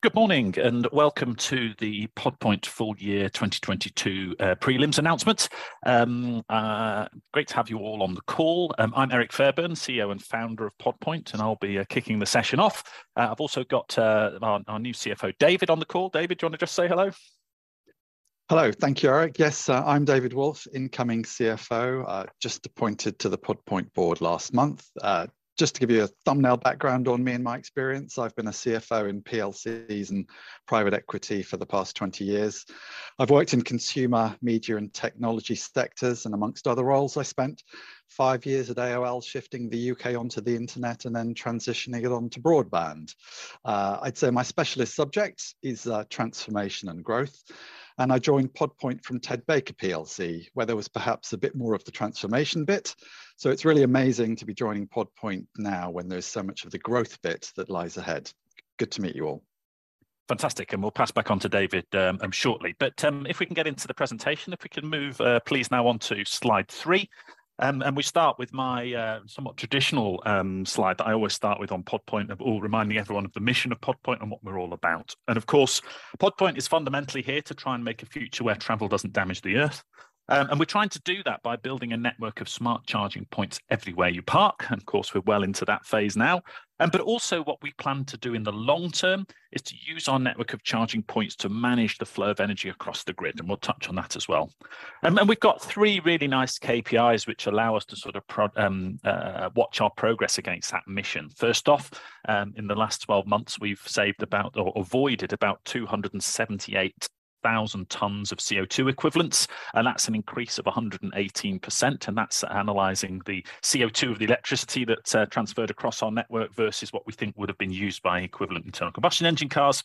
Good morning. Welcome to the Pod Point full year 2022 prelims announcement. Great to have you all on the call. I'm Erik Fairbairn, CEO and founder of Pod Point, and I'll be kicking the session off. I've also got our new CFO, David, on the call. David, do you wanna just say hello? Hello. Thank you, Erik. Yes, I'm David Wolffe, incoming CFO, just appointed to the Pod Point board last month. Just to give you a thumbnail background on me and my experience, I've been a CFO in PLCs and private equity for the past 20 years. I've worked in consumer, media, and technology sectors. Amongst other roles, I spent five years at AOL shifting the U.K. onto the internet and then transitioning it onto broadband. I'd say my specialist subject is transformation and growth. I joined Pod Point from Ted Baker PLC, where there was perhaps a bit more of the transformation bit. It's really amazing to be joining Pod Point now when there's so much of the growth bit that lies ahead. Good to meet you all. Fantastic. We'll pass back on to David shortly. If we can get into the presentation, if we can move please now onto slide three. We start with my somewhat traditional slide that I always start with on Pod Point of all reminding everyone of the mission of Pod Point and what we're all about. Of course, Pod Point is fundamentally here to try and make a future where travel doesn't damage the earth. We're trying to do that by building a network of smart charging points everywhere you park, and of course, we're well into that phase now. Also what we plan to do in the long term is to use our network of charging points to manage the flow of energy across the grid, and we'll touch on that as well. We've got three really nice KPIs which allow us to sort of watch our progress against that mission. First off, in the last 12 months, we've saved about or avoided about 278,000 tons of CO2 equivalents, and that's an increase of 118%, and that's analyzing the CO2 of the electricity that transferred across our network versus what we think would have been used by equivalent internal combustion engine cars.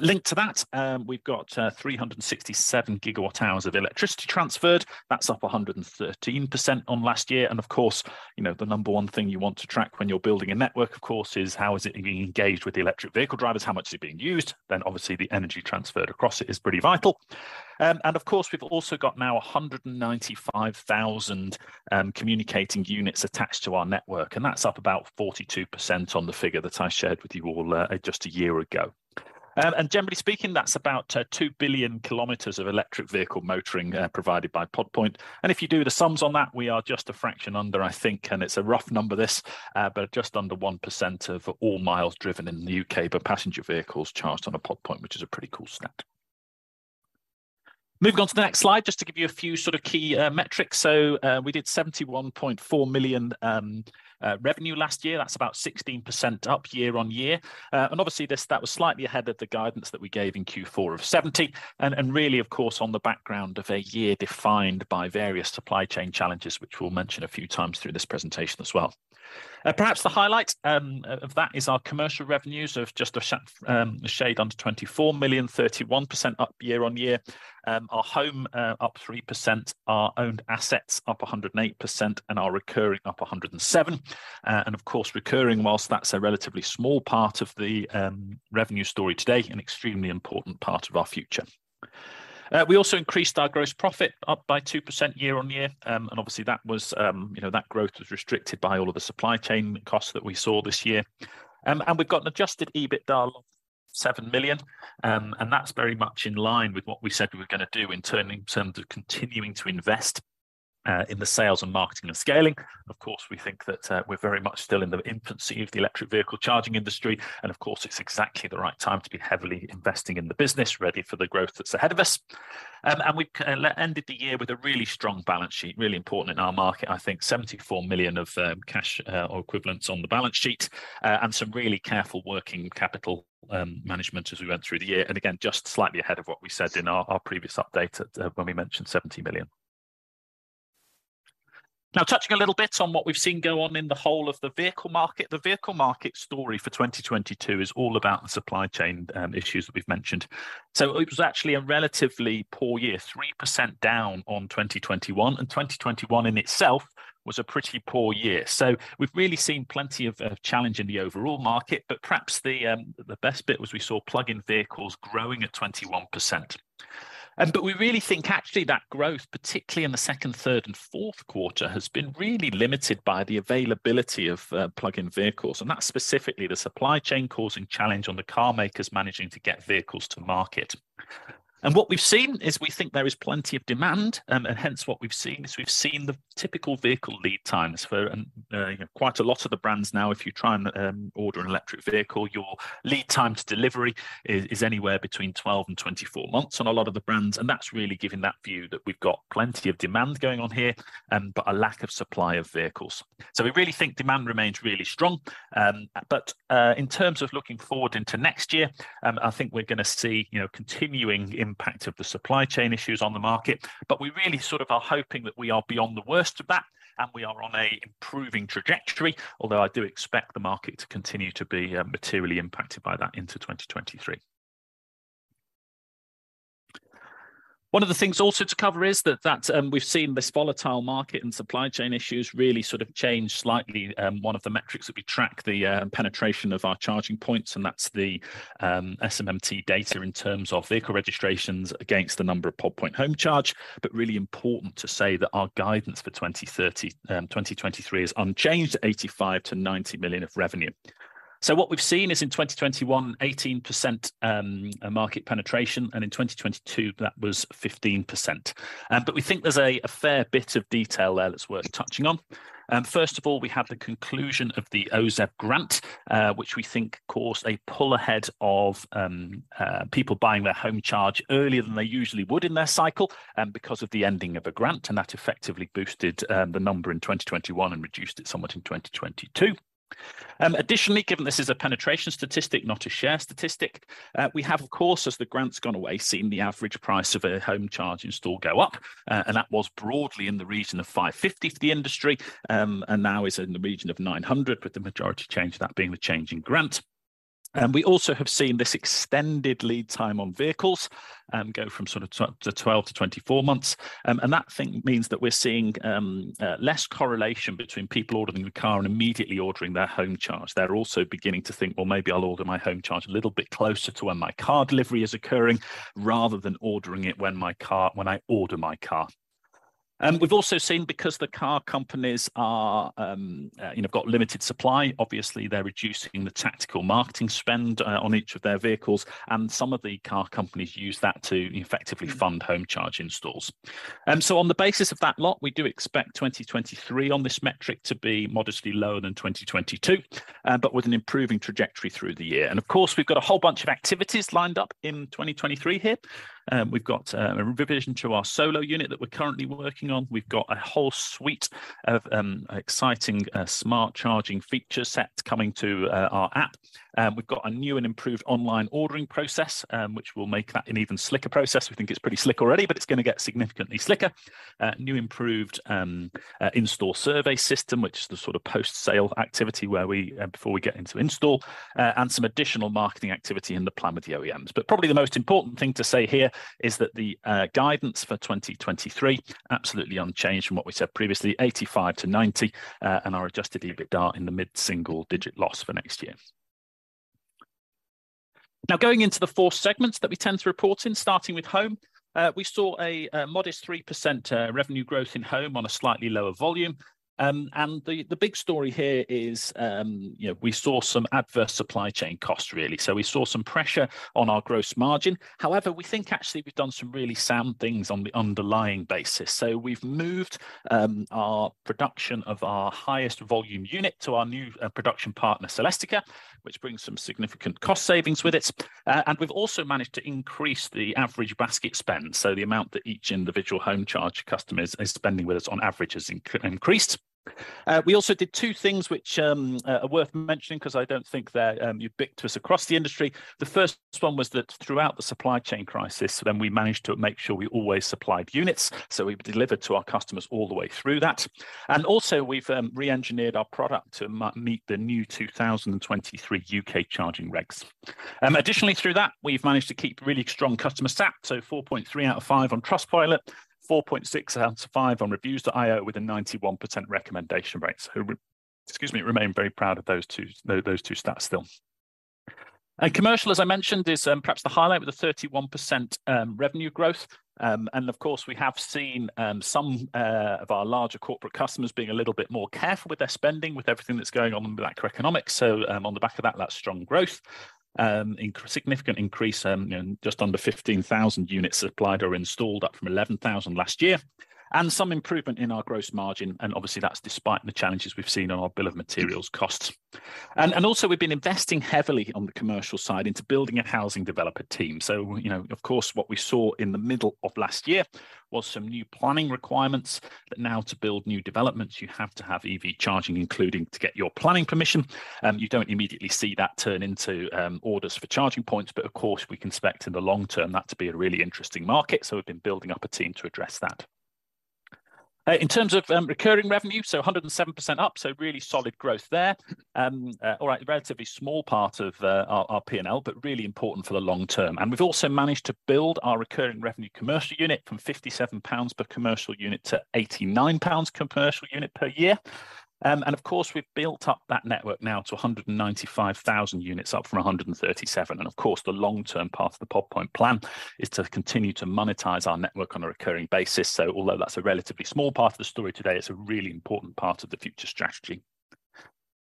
Linked to that, we've got 367 GWh of electricity transferred. That's up 113% on last year. Of course, you know, the number one thing you want to track when you're building a network, of course, is how is it being engaged with the electric vehicle drivers, how much is it being used, then obviously the energy transferred across it is pretty vital. Of course, we've also got now 195,000 communicating units attached to our network, and that's up about 42% on the figure that I shared with you all just a year ago. Generally speaking, that's about 2 billion km of electric vehicle motoring provided by Pod Point. If you do the sums on that, we are just a fraction under I think, and it's a rough number this, but just under 1% of all miles driven in the U.K. by passenger vehicles charged on a Pod Point, which is a pretty cool stat. Moving on to the next slide, just to give you a few sort of key metrics. We did 71.4 million revenue last year. That's about 16% up year-on-year. Obviously that was slightly ahead of the guidance that we gave in Q4 of 70 and really, of course, on the background of a year defined by various supply chain challenges, which we'll mention a few times through this presentation as well. Perhaps the highlight of that is our commercial revenues of just a shade under 24 million, 31% up year on year. Our home up 3%. Our owned assets up 108%, and our recurring up 107%. Of course recurring, whilst that's a relatively small part of the revenue story today, an extremely important part of our future. We also increased our gross profit up by 2% year on year. Obviously that was, you know, that growth was restricted by all of the supply chain costs that we saw this year. We've got an adjusted EBITDA of 7 million, and that's very much in line with what we said we were gonna do in terms of continuing to invest in the sales and marketing and scaling. Of course, we think that we're very much still in the infancy of the electric vehicle charging industry, and of course, it's exactly the right time to be heavily investing in the business ready for the growth that's ahead of us. We ended the year with a really strong balance sheet, really important in our market. I think 74 million of cash or equivalents on the balance sheet, and some really careful working capital management as we went through the year. Again, just slightly ahead of what we said in our previous update at when we mentioned 70 million. Touching a little bit on what we've seen go on in the whole of the vehicle market. The vehicle market story for 2022 is all about the supply chain issues that we've mentioned. It was actually a relatively poor year, 3% down on 2021, and 2021 in itself was a pretty poor year. We've really seen plenty of challenge in the overall market. Perhaps the best bit was we saw plug-in vehicles growing at 21%. We really think actually that growth, particularly in the second, third, and fourth quarter, has been really limited by the availability of plug-in vehicles, and that's specifically the supply chain causing challenge on the car makers managing to get vehicles to market. What we've seen is we think there is plenty of demand, hence what we've seen is we've seen the typical vehicle lead times for, you know, quite a lot of the brands now if you try and order an electric vehicle, your lead time to delivery is anywhere between 12 and 24 months on a lot of the brands. That's really given that view that we've got plenty of demand going on here, a lack of supply of vehicles. We really think demand remains really strong. In terms of looking forward into next year, I think we're gonna see, you know, continuing impact of the supply chain issues on the market. We really sort of are hoping that we are beyond the worst of that, and we are on a improving trajectory. I do expect the market to continue to be materially impacted by that into 2023. One of the things also to cover is that we've seen this volatile market and supply chain issues really sort of change slightly, one of the metrics that we track the penetration of our charging points, and that's the SMMT data in terms of vehicle registrations against the number of Pod Point home charge, but really important to say that our guidance for 2030, 2023 is unchanged at 85 million-90 million of revenue. What we've seen is in 2021, 18% market penetration, and in 2022, that was 15%. We think there's a fair bit of detail there that's worth touching on. First of all, we have the conclusion of the OZEV grant, which we think caused a pull ahead of people buying their home charge earlier than they usually would in their cycle, because of the ending of a grant, and that effectively boosted the number in 2021 and reduced it somewhat in 2022. Additionally, given this is a penetration statistic, not a share statistic, we have, of course, as the grant's gone away, seen the average price of a home charge install go up, and that was broadly in the region of 550 for the industry, and now is in the region of 900, with the majority change of that being the change in grant. We also have seen this extended lead time on vehicles go from sort of 12-24 months. That thing means that we're seeing less correlation between people ordering the car and immediately ordering their home charge. They're also beginning to think, "Well, maybe I'll order my home charge a little bit closer to when my car delivery is occurring rather than ordering it when I order my car." We've also seen because the car companies are, you know, got limited supply, obviously they're reducing the tactical marketing spend on each of their vehicles, and some of the car companies use that to effectively fund home charge installs. On the basis of that lot, we do expect 2023 on this metric to be modestly lower than 2022, but with an improving trajectory through the year. Of course, we've got a whole bunch of activities lined up in 2023 here. We've got a revision to our Solo unit that we're currently working on. We've got a whole suite of exciting smart charging feature set coming to our app. We've got a new and improved online ordering process, which will make that an even slicker process. We think it's pretty slick already, but it's gonna get significantly slicker. New improved install survey system, which is the sort of post-sale activity where we before we get into install, and some additional marketing activity in the plan with the OEMs. Probably the most important thing to say here is that the guidance for 2023 absolutely unchanged from what we said previously, 85 to 90, and our adjusted EBITDA in the mid-single digit loss for next year. Going into the four segments that we tend to report in, starting with Home, we saw a modest 3% revenue growth in Home on a slightly lower volume. The, the big story here is, you know, we saw some adverse supply chain costs, really. We saw some pressure on our gross margin. However, we think actually we've done some really sound things on the underlying basis. We've moved our production of our highest volume unit to our new production partner, Celestica, which brings some significant cost savings with it. We've also managed to increase the average basket spend, so the amount that each individual home charge customer is spending with us on average has increased. We also did two things which are worth mentioning because I don't think they're ubiquitous across the industry. The first one was that throughout the supply chain crisis, we managed to make sure we always supplied units, so we delivered to our customers all the way through that. We've re-engineered our product to meet the new 2023 UK charging regs. Additionally through that, we've managed to keep really strong customer sat, so 4.3 out of five on Trustpilot, 4.6 out of five on Reviews.io with a 91% recommendation rate. We... Excuse me, remain very proud of those two stats still. Commercial, as I mentioned, is perhaps the highlight with a 31% revenue growth. Of course, we have seen some of our larger corporate customers being a little bit more careful with their spending, with everything that's going on with macroeconomics. On the back of that strong growth, significant increase, you know, just under 15,000 units supplied or installed, up from 11,000 last year. Some improvement in our gross margin, obviously that's despite the challenges we've seen on our bill of materials costs. Also we've been investing heavily on the commercial side into building a housing developer team. You know, of course, what we saw in the middle of last year was some new planning requirements that now to build new developments, you have to have EV charging including to get your planning permission. You don't immediately see that turn into orders for charging points, but of course, we can expect in the long term that to be a really interesting market, so we've been building up a team to address that. In terms of recurring revenue, a 107% up, so really solid growth there. All right, a relatively small part of our P&L, but really important for the long term. We've also managed to build our recurring revenue commercial unit from 57 pounds per commercial unit to 89 pounds commercial unit per year. Of course, we've built up that network now to 195,000 units, up from 137. Of course, the long-term part of the Pod Point plan is to continue to monetize our network on a recurring basis. Although that's a relatively small part of the story today, it's a really important part of the future strategy.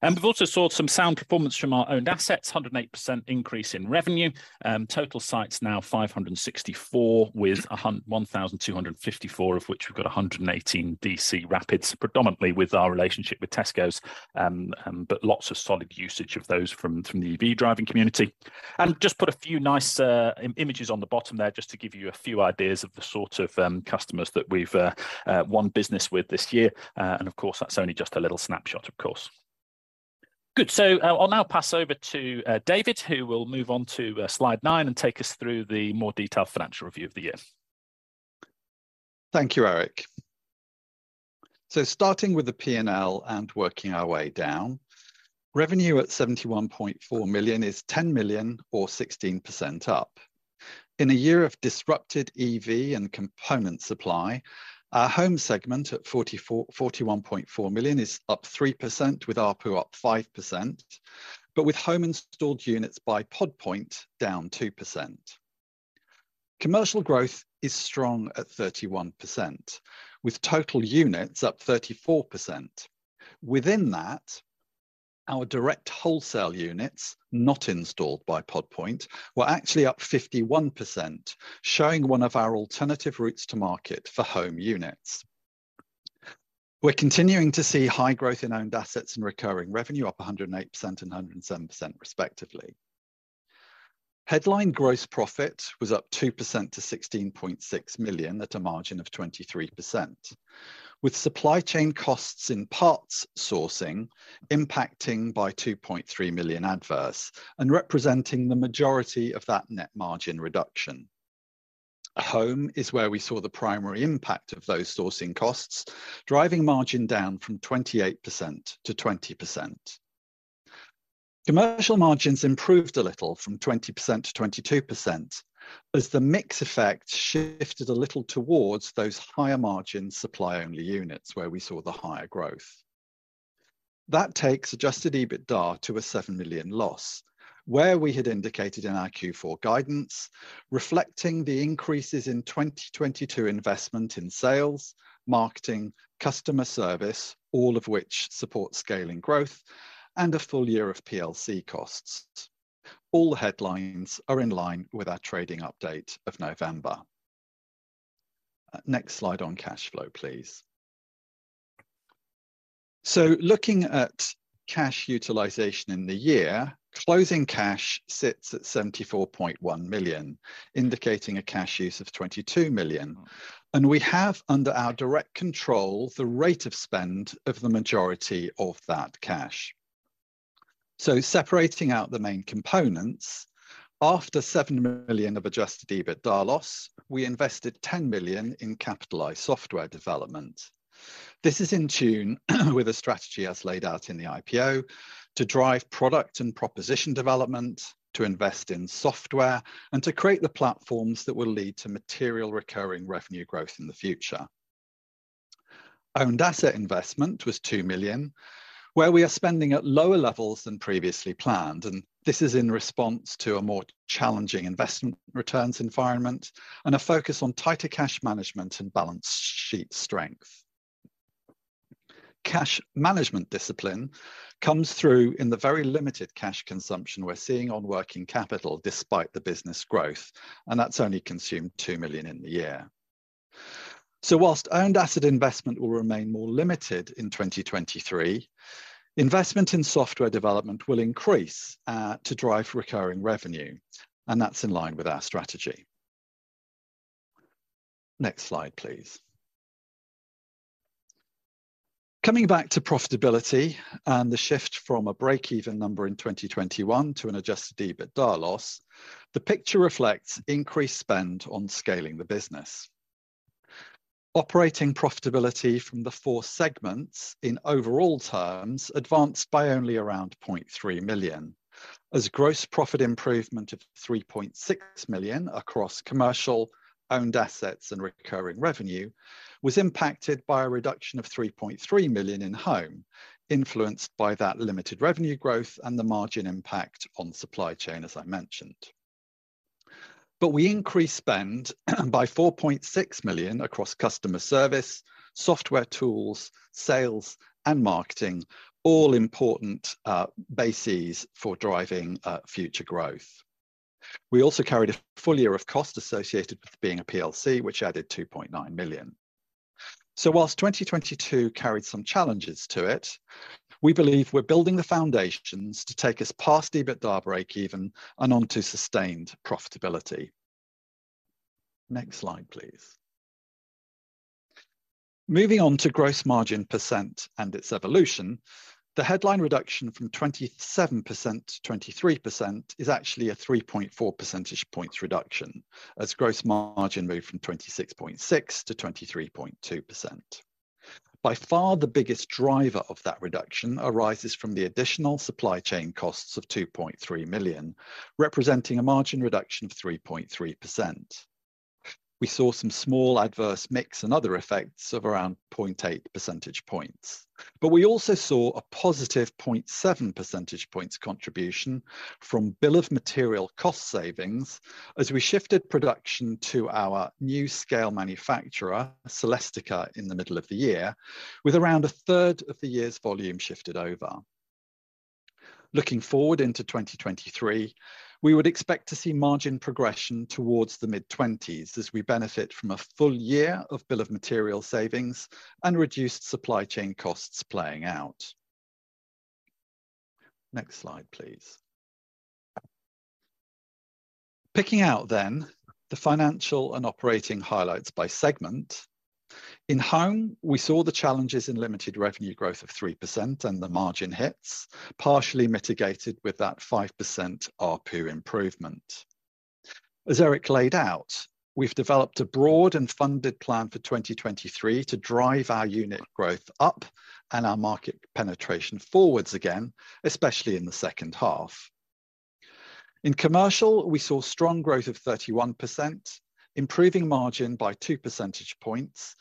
We've also saw some sound performance from our owned assets, a 108% increase in revenue. Total sites now 564, with 1,254 of which we've got 118 DC Rapids, predominantly with our relationship with Tesco's. Lots of solid usage of those from the EV driving community. Just put a few nice images on the bottom there just to give you a few ideas of the sort of customers that we've won business with this year. Of course, that's only just a little snapshot, of course. Good. I'll now pass over to David, who will move on to slide nine and take us through the more detailed financial review of the year. Thank you, Erik. Starting with the P&L and working our way down, revenue at 71.4 million is 10 million or 16% up. In a year of disrupted EV and component supply, our home segment at 41.4 million is up 3%, with ARPU up 5%, but with home installed units by Pod Point down 2%. Commercial growth is strong at 31%, with total units up 34%. Within that, our direct wholesale units, not installed by Pod Point, were actually up 51%, showing one of our alternative routes to market for home units. We're continuing to see high growth in owned assets and recurring revenue, up 108% and 107% respectively. Headline gross profit was up 2% to 16.6 million at a margin of 23%, with supply chain costs in parts sourcing impacting by 2.3 million adverse and representing the majority of that net margin reduction. Home is where we saw the primary impact of those sourcing costs, driving margin down from 28% to 20%. Commercial margins improved a little from 20% to 22% as the mix effect shifted a little towards those higher margin supply-only units where we saw the higher growth. That takes adjusted EBITDA to a 7 million loss, where we had indicated in our Q4 guidance, reflecting the increases in 2022 investment in sales, marketing, customer service, all of which support scaling growth and a full year of PLC costs. All headlines are in line with our trading update of November. Next slide on cash flow, please. Looking at cash utilization in the year, closing cash sits at 74.1 million, indicating a cash use of 22 million. We have under our direct control the rate of spend of the majority of that cash. Separating out the main components, after 7 million of adjusted EBITDA loss, we invested 10 million in capitalized software development. This is in tune with the strategy as laid out in the IPO to drive product and proposition development, to invest in software, and to create the platforms that will lead to material recurring revenue growth in the future. Owned asset investment was 2 million, where we are spending at lower levels than previously planned. This is in response to a more challenging investment returns environment and a focus on tighter cash management and balance sheet strength. Cash management discipline comes through in the very limited cash consumption we're seeing on working capital despite the business growth, and that's only consumed 2 million in the year. Whilst owned asset investment will remain more limited in 2023, investment in software development will increase to drive recurring revenue, and that's in line with our strategy. Next slide, please. Coming back to profitability and the shift from a break-even number in 2021 to an adjusted EBITDA loss, the picture reflects increased spend on scaling the business. Operating profitability from the four segments in overall terms advanced by only around 0.3 million, as gross profit improvement of 3.6 million across commercial owned assets and recurring revenue was impacted by a reduction of 3.3 million in home, influenced by that limited revenue growth and the margin impact on supply chain as I mentioned. We increased spend by 4.6 million across customer service, software tools, sales, and marketing, all important bases for driving future growth. We also carried a full year of cost associated with being a PLC, which added 2.9 million. Whilst 2022 carried some challenges to it, we believe we're building the foundations to take us past EBITDA break even and on to sustained profitability. Next slide, please. Moving on to gross margin % and its evolution, the headline reduction from 27% to 23% is actually a 3.4 percentage points reduction, as gross margin moved from 26.6% to 23.2%. By far, the biggest driver of that reduction arises from the additional supply chain costs of 2.3 million, representing a margin reduction of 3.3%. We saw some small adverse mix and other effects of around 0.8 percentage points. We also saw a positive 0.7 percentage points contribution from bill of material cost savings as we shifted production to our new scale manufacturer, Celestica, in the middle of the year, with around a third of the year's volume shifted over. Looking forward into 2023, we would expect to see margin progression towards the mid-20s as we benefit from a full year of bill of material savings and reduced supply chain costs playing out. Next slide, please. Picking out the financial and operating highlights by segment, in home, we saw the challenges in limited revenue growth of 3% and the margin hits, partially mitigated with that 5% ARPU improvement. As Erik laid out, we've developed a broad and funded plan for 2023 to drive our unit growth up and our market penetration forwards again, especially in the second half. In commercial, we saw strong growth of 31%, improving margin by two percentage points.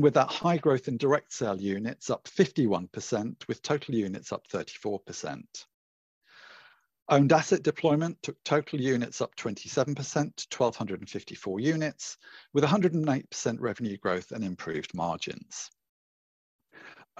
With that high growth in direct sale units up 51%, with total units up 34%. Owned asset deployment took total units up 27% to 1,254 units, with a 108% revenue growth and improved margins.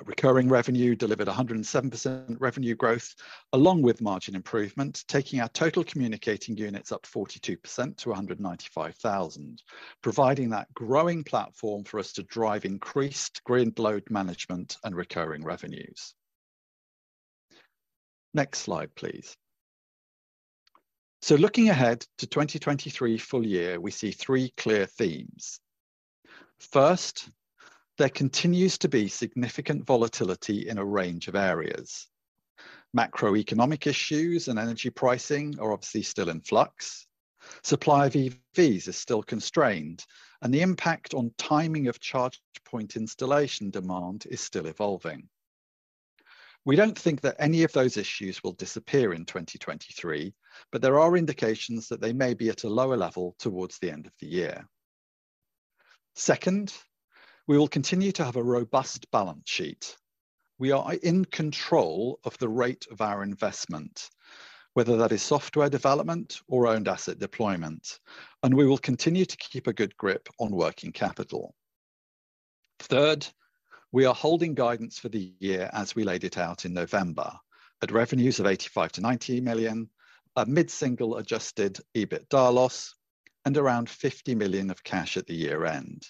Recurring revenue delivered a 107% revenue growth along with margin improvement, taking our total communicating units up 42% to 195,000, providing that growing platform for us to drive increased grid load management and recurring revenues. Next slide, please. Looking ahead to 2023 full year, we see three clear themes. First, there continues to be significant volatility in a range of areas. Macroeconomic issues and energy pricing are obviously still in flux. Supply of EVs is still constrained, and the impact on timing of charge point installation demand is still evolving. We don't think that any of those issues will disappear in 2023, but there are indications that they may be at a lower level towards the end of the year. Second, we will continue to have a robust balance sheet. We are in control of the rate of our investment, whether that is software development or owned asset deployment, and we will continue to keep a good grip on working capital. Third, we are holding guidance for the year as we laid it out in November, at revenues of 85 million-90 million, a mid-single adjusted EBITDA loss, and around 50 million of cash at the year-end.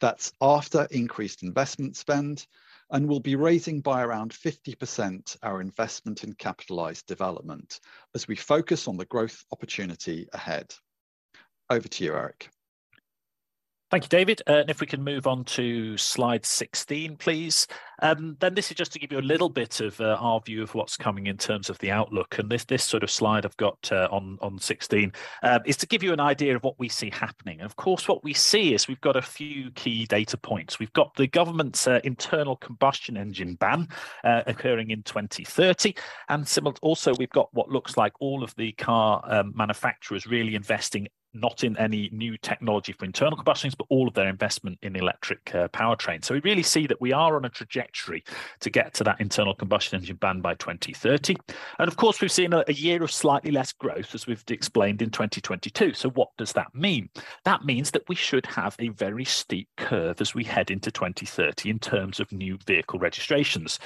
That's after increased investment spend and will be raising by around 50% our investment in capitalized development as we focus on the growth opportunity ahead. Over to you, Erik. Thank you, David. If we can move on to slide 16, please. This is just to give you a little bit of our view of what's coming in terms of the outlook. This, this sort of slide I've got on 16, is to give you an idea of what we see happening. Of course, what we see is we've got a few key data points. We've got the government's internal combustion engine ban occurring in 2030. Also, we've got what looks like all of the car manufacturers really investing not in any new technology for internal combustion, but all of their investment in electric powertrains. We really see that we are on a trajectory to get to that internal combustion engine ban by 2030. Of course, we've seen a year of slightly less growth, as we've explained, in 2022. What does that mean? That means that we should have a very steep curve as we head into 2030 in terms of new vehicle registrations.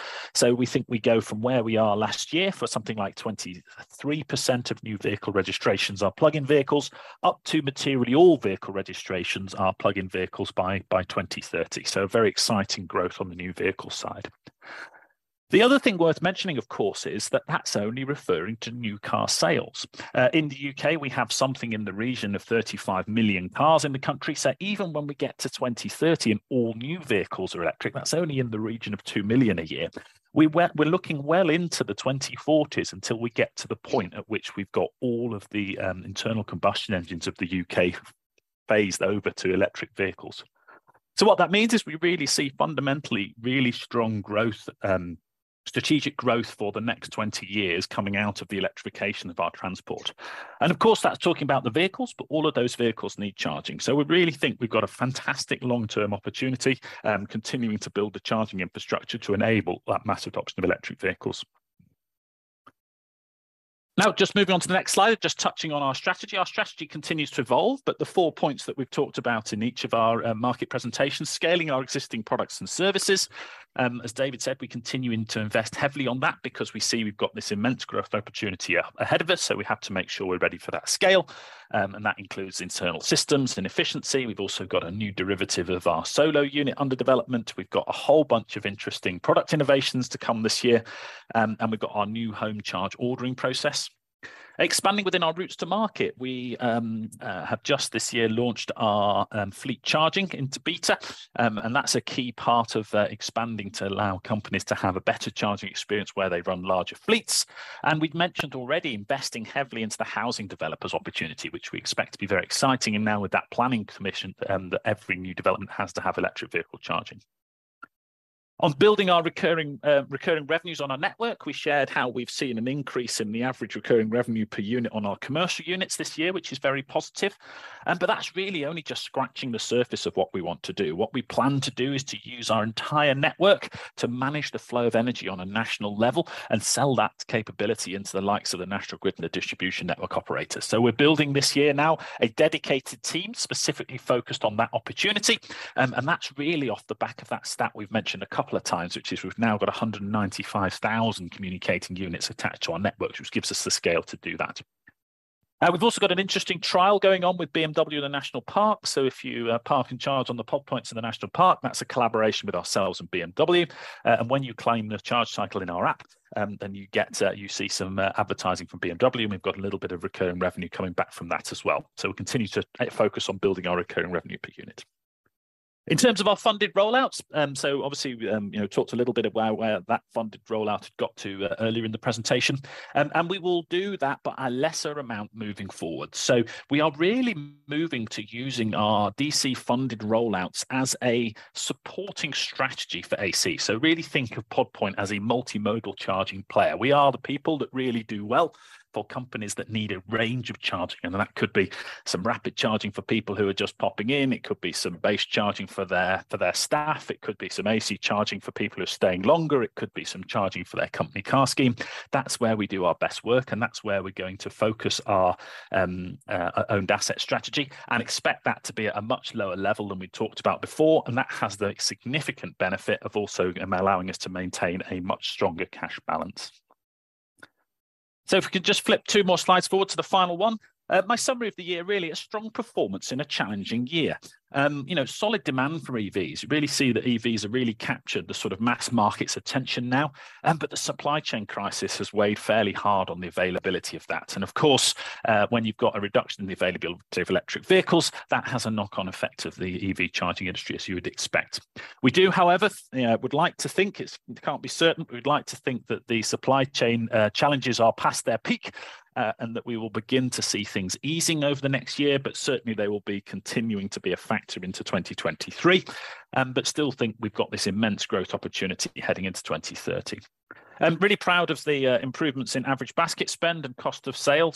We think we go from where we are last year for something like 23% of new vehicle registrations are plug-in vehicles, up to materially all vehicle registrations are plug-in vehicles by 2030. Very exciting growth on the new vehicle side. The other thing worth mentioning, of course, is that that's only referring to new car sales. In the U.K., we have something in the region of 35 million cars in the country. Even when we get to 2030 and all new vehicles are electric, that's only in the region of 2 million a year. We're looking well into the 2040s until we get to the point at which we've got all of the internal combustion engines of the U.K. phased over to electric vehicles. What that means is we really see fundamentally really strong growth, strategic growth for the next 20 years coming out of the electrification of our transport. Of course, that's talking about the vehicles, but all of those vehicles need charging. We really think we've got a fantastic long-term opportunity, continuing to build the charging infrastructure to enable that mass adoption of electric vehicles. Just moving on to the next slide, just touching on our strategy. Our strategy continues to evolve, but the four points that we've talked about in each of our market presentations, scaling our existing products and services, as David said, we're continuing to invest heavily on that because we see we've got this immense growth opportunity ahead of us, so we have to make sure we're ready for that scale. That includes internal systems and efficiency. We've also got a new derivative of our Solo unit under development. We've got a whole bunch of interesting product innovations to come this year. We've got our new home charge ordering process. Expanding within our routes to market, we have just this year launched our Home Fleet into beta. That's a key part of expanding to allow companies to have a better charging experience where they run larger fleets. We'd mentioned already investing heavily into the housing developers opportunity, which we expect to be very exciting. Now with that planning permission, that every new development has to have electric vehicle charging. On building our recurring revenues on our network, we shared how we've seen an increase in the average recurring revenue per unit on our commercial units this year, which is very positive. That's really only just scratching the surface of what we want to do. What we plan to do is to use our entire network to manage the flow of energy on a national level and sell that capability into the likes of the National Grid and the Distribution Network Operators. We're building this year now a dedicated team specifically focused on that opportunity. That's really off the back of that stat we've mentioned a couple of times, which is we've now got 195,000 communicating units attached to our network, which gives us the scale to do that. We've also got an interesting trial going on with BMW and the National Park. If you park and charge on the Pod Points in the National Park, that's a collaboration with ourselves and BMW. When you claim the charge cycle in our app, then you get you see some advertising from BMW, and we've got a little bit of recurring revenue coming back from that as well. We continue to focus on building our recurring revenue per unit. In terms of our funded rollouts, obviously, you know, talked a little bit about where that funded rollout had got to earlier in the presentation. We will do that but a lesser amount moving forward. We are really moving to using our DC funded rollouts as a supporting strategy for AC. Really think of Pod Point as a multimodal charging player. We are the people that really do well for companies that need a range of charging, and that could be some rapid charging for people who are just popping in, it could be some base charging for their, for their staff, it could be some AC charging for people who are staying longer, it could be some charging for their company car scheme. That's where we do our best work, and that's where we're going to focus our owned asset strategy and expect that to be at a much lower level than we talked about before. That has the significant benefit of also allowing us to maintain a much stronger cash balance. If we could just flip two more slides forward to the final one. My summary of the year really, a strong performance in a challenging year. You know, solid demand for EVs. You really see that EVs have really captured the sort of mass market's attention now, but the supply chain crisis has weighed fairly hard on the availability of that. Of course, when you've got a reduction in the availability of electric vehicles, that has a knock-on effect of the EV charging industry, as you would expect. We do, however, you know, would like to think, we can't be certain, but we'd like to think that the supply chain challenges are past their peak, and that we will begin to see things easing over the next year, but certainly they will be continuing to be a factor into 2023. Still think we've got this immense growth opportunity heading into 2030. I'm really proud of the improvements in average basket spend and cost of sale.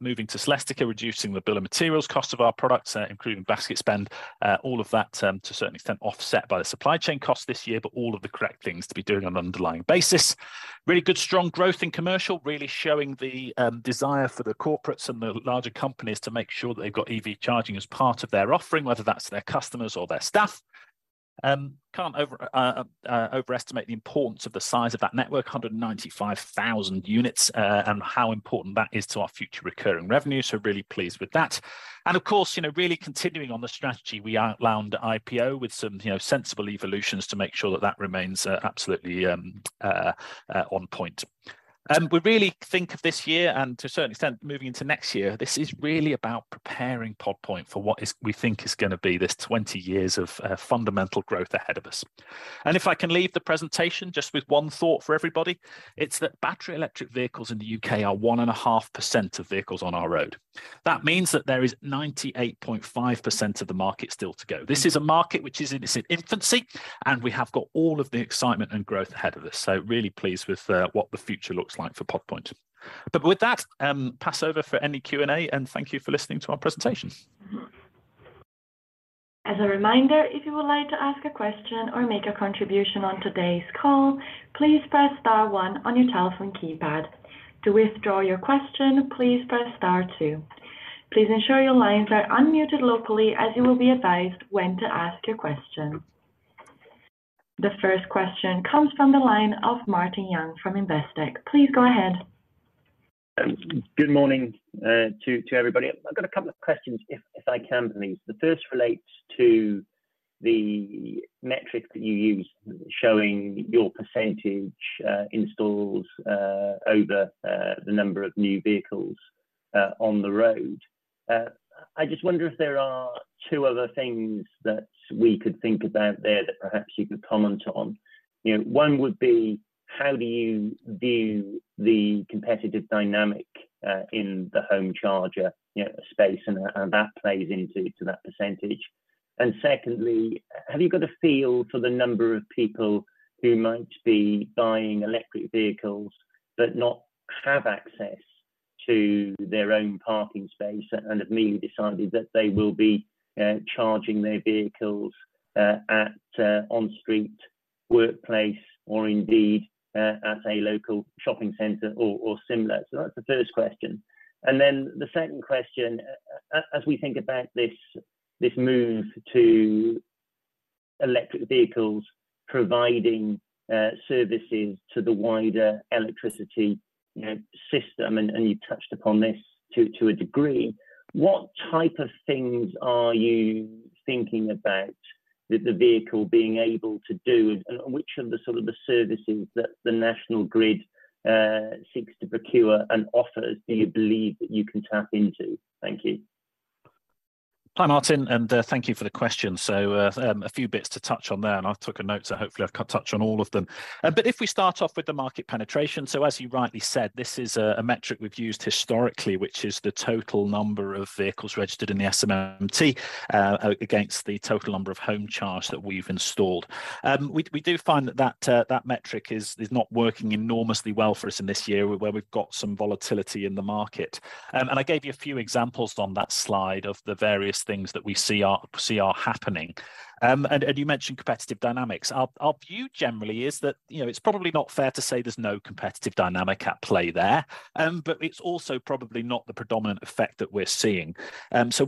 Moving to Celestica, reducing the bill of materials cost of our products, including basket spend, all of that to a certain extent offset by the supply chain costs this year, but all of the correct things to be doing on an underlying basis. Really good strong growth in commercial, really showing the desire for the corporates and the larger companies to make sure that they've got EV charging as part of their offering, whether that's their customers or their staff. Can't overestimate the importance of the size of that network, 195,000 units, and how important that is to our future recurring revenue, so really pleased with that. Of course, you know, really continuing on the strategy we outlined at IPO with some, you know, sensible evolutions to make sure that that remains absolutely on point. We really think of this year and to a certain extent, moving into next year, this is really about preparing Pod Point for what we think is gonna be this 20 years of fundamental growth ahead of us. If I can leave the presentation just with one thought for everybody, it's that battery electric vehicles in the U.K. are 1.5% of vehicles on our road. That means that there is 98.5% of the market still to go. This is a market which is in its infancy, and we have got all of the excitement and growth ahead of us. Really pleased with what the future looks like for Pod Point. With that, pass over for any Q&A, and thank you for listening to our presentation. As a reminder, if you would like to ask a question or make a contribution on today's call, please press star one on your telephone keypad. To withdraw your question, please press star two. Please ensure your lines are unmuted locally, as you will be advised when to ask your question. The first question comes from the line of Martin Young from Investec. Please go ahead. Good morning, to everybody. I've got a couple of questions if I can, please. The first relates to the metric that you use showing your percentage installs over the number of new vehicles on the road. I just wonder if there are two other things that we could think about there that perhaps you could comment on. You know, one would be, how do you view the competitive dynamic in the home charger, you know, space and how that plays into that percentage? Secondly, have you got a feel for the number of people who might be buying electric vehicles but not have access to their own parking space and have merely decided that they will be charging their vehicles at on street, workplace or indeed, at a local shopping center or similar? That's the first question. Then the second question, as we think about this move to electric vehicles providing services to the wider electricity, you know, system, and you touched upon this to a degree, what type of things are you thinking about that the vehicle being able to do, and which of the sort of the services that the National Grid seeks to procure and offers do you believe that you can tap into? Thank you. Hi, Martin, thank you for the question. A few bits to touch on there, and I took a note, so hopefully I can touch on all of them. If we start off with the market penetration, so as you rightly said, this is a metric we've used historically, which is the total number of vehicles registered in the SMMT against the total number of home chargers that we've installed. We do find that metric is not working enormously well for us in this year, where we've got some volatility in the market. I gave you a few examples on that slide of the various things that we see are happening. You mentioned competitive dynamics. Our view generally is that, you know, it's probably not fair to say there's no competitive dynamic at play there, but it's also probably not the predominant effect that we're seeing.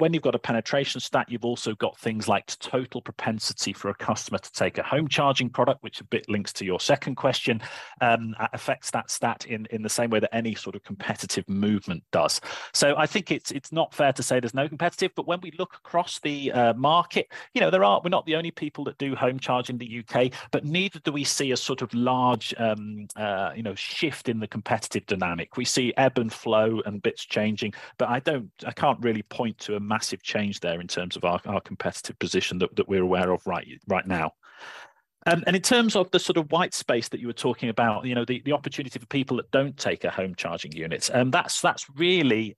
When you've got a penetration stat, you've also got things like total propensity for a customer to take a home charging product, which a bit links to your second question, affects that stat in the same way that any sort of competitive movement does. I think it's not fair to say there's no competitive, but when we look across the market, you know, we're not the only people that do home charging in the U.K., but neither do we see a sort of large, you know, shift in the competitive dynamic. We see ebb and flow and bits changing, I can't really point to a massive change there in terms of our competitive position that we're aware of right now. In terms of the sort of white space that you were talking about, you know, the opportunity for people that don't take a home charging unit, that's really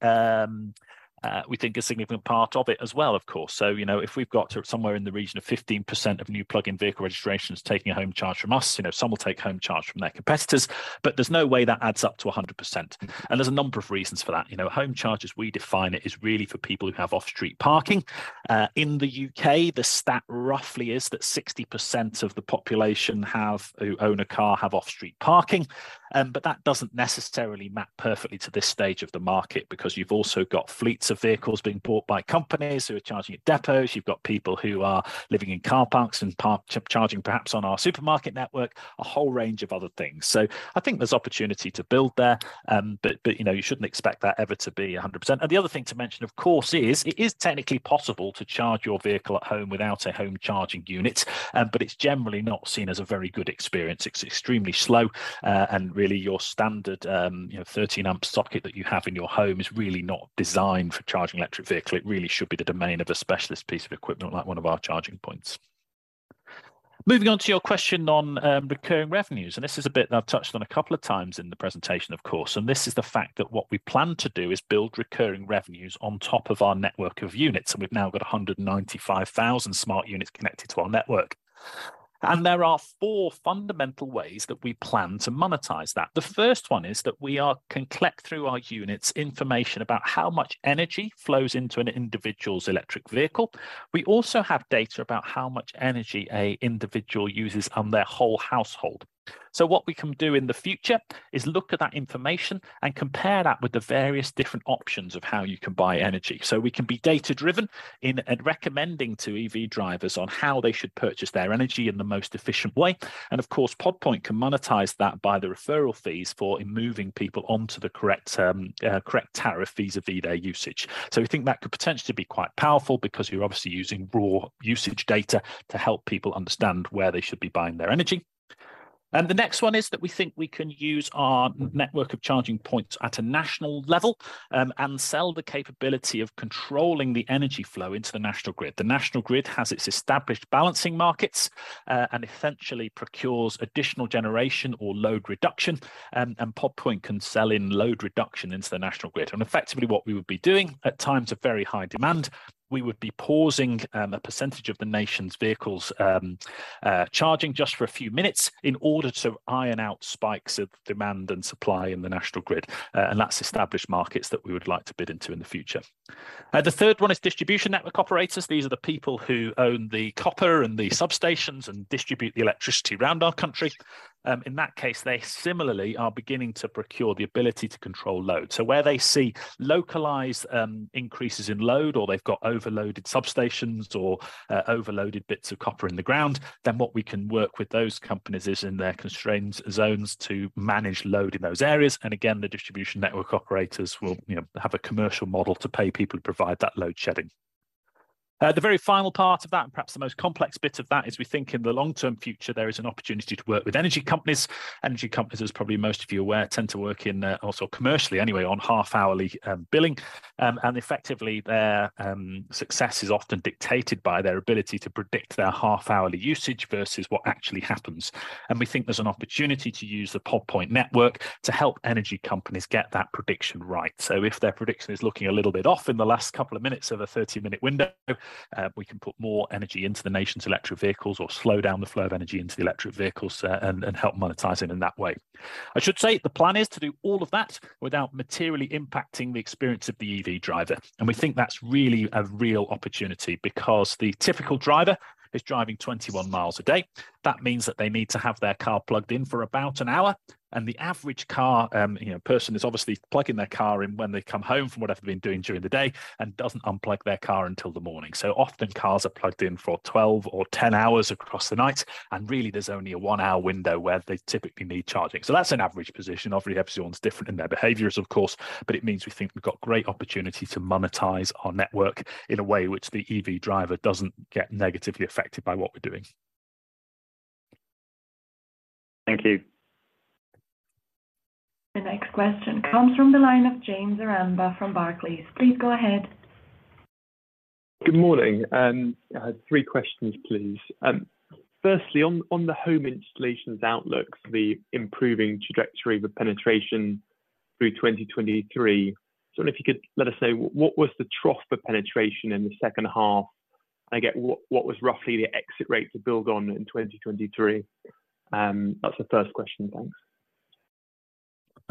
we think a significant part of it as well, of course. You know, if we've got somewhere in the region of 15% of new plug-in vehicle registrations taking a home charge from us, you know, some will take home charge from their competitors, but there's no way that adds up to 100%, there's a number of reasons for that. You know, home charge as we define it is really for people who have off-street parking. In the U.K., the stat roughly is that 60% of the population have who own a car have off-street parking, that doesn't necessarily map perfectly to this stage of the market because you've also got fleets of vehicles being bought by companies who are charging at depots. You've got people who are living in car parks and charging perhaps on our supermarket network. A whole range of other things. I think there's opportunity to build there, but, you know, you shouldn't expect that ever to be 100%. The other thing to mention, of course, is it is technically possible to charge your vehicle at home without a home charging unit, but it's generally not seen as a very good experience. It's extremely slow, you know, 13 amp socket that you have in your home is really not designed for charging an electric vehicle. It really should be the domain of a specialist piece of equipment like one of our charging points. Moving on to your question on recurring revenues, this is a bit that I've touched on a couple of times in the presentation, of course, this is the fact that what we plan to do is build recurring revenues on top of our network of units, we've now got 195,000 smart units connected to our network. There are four fundamental ways that we plan to monetize that. The first one is that we can collect through our units information about how much energy flows into an individual's electric vehicle. We also have data about how much energy a individual uses on their whole household. What we can do in the future is look at that information and compare that with the various different options of how you can buy energy. We can be data-driven in recommending to EV drivers on how they should purchase their energy in the most efficient way. Of course, Pod Point can monetize that by the referral fees for in moving people onto the correct tariff vis-a-vis their usage. We think that could potentially be quite powerful because we're obviously using raw usage data to help people understand where they should be buying their energy. The next one is that we think we can use our network of charging points at a national level, and sell the capability of controlling the energy flow into the National Grid. The National Grid has its established balancing markets, and essentially procures additional generation or load reduction, and Pod Point can sell in load reduction into the National Grid. Effectively what we would be doing at times of very high demand, we would be pausing a percentage of the nation's vehicles, charging just for a few minutes in order to iron out spikes of demand and supply in the National Grid, and that's established markets that we would like to bid into in the future. The third one is Distribution Network Operators. These are the people who own the copper and the substations and distribute the electricity around our country. In that case, they similarly are beginning to procure the ability to control load. Where they see localized, increases in load, or they've got overloaded substations or, overloaded bits of copper in the ground, then what we can work with those companies is in their constrained zones to manage load in those areas. Again, the Distribution Network Operators will, you know, have a commercial model to pay people to provide that load shedding. The very final part of that, and perhaps the most complex bit of that, is we think in the long-term future there is an opportunity to work with energy companies. Energy companies, as probably most of you are aware, tend to work in, also commercially anyway, on half-hourly, billing. Effectively their success is often dictated by their ability to predict their half-hourly usage versus what actually happens. We think there's an opportunity to use the Pod Point network to help energy companies get that prediction right. If their prediction is looking a little bit off in the last couple of minutes of a 30 minute window, we can put more energy into the nation's electric vehicles or slow down the flow of energy into the electric vehicles, and help monetize it in that way. I should say the plan is to do all of that without materially impacting the experience of the EV driver, and we think that's really a real opportunity because the typical driver is driving 21 miles a day. That means that they need to have their car plugged in for about one hour. The average car, you know, person is obviously plugging their car in when they come home from whatever they've been doing during the day and doesn't unplug their car until the morning. Often cars are plugged in for 12 or 10 hours across the night, and really there's only a one-hour window where they typically need charging. That's an average position. Obviously, everyone's different in their behaviors of course, but it means we think we've got great opportunity to monetize our network in a way which the EV driver doesn't get negatively affected by what we're doing. Thank you. The next question comes from the line of James Zaremba from Barclays. Please go ahead. Good morning. I had three questions please. firstly, on the home installations outlook for the improving trajectory with penetration through 2023, sort of if you could let us know what was the trough for penetration in the second half, and again what was roughly the exit rate to build on in 2023? that's the first question. Thanks.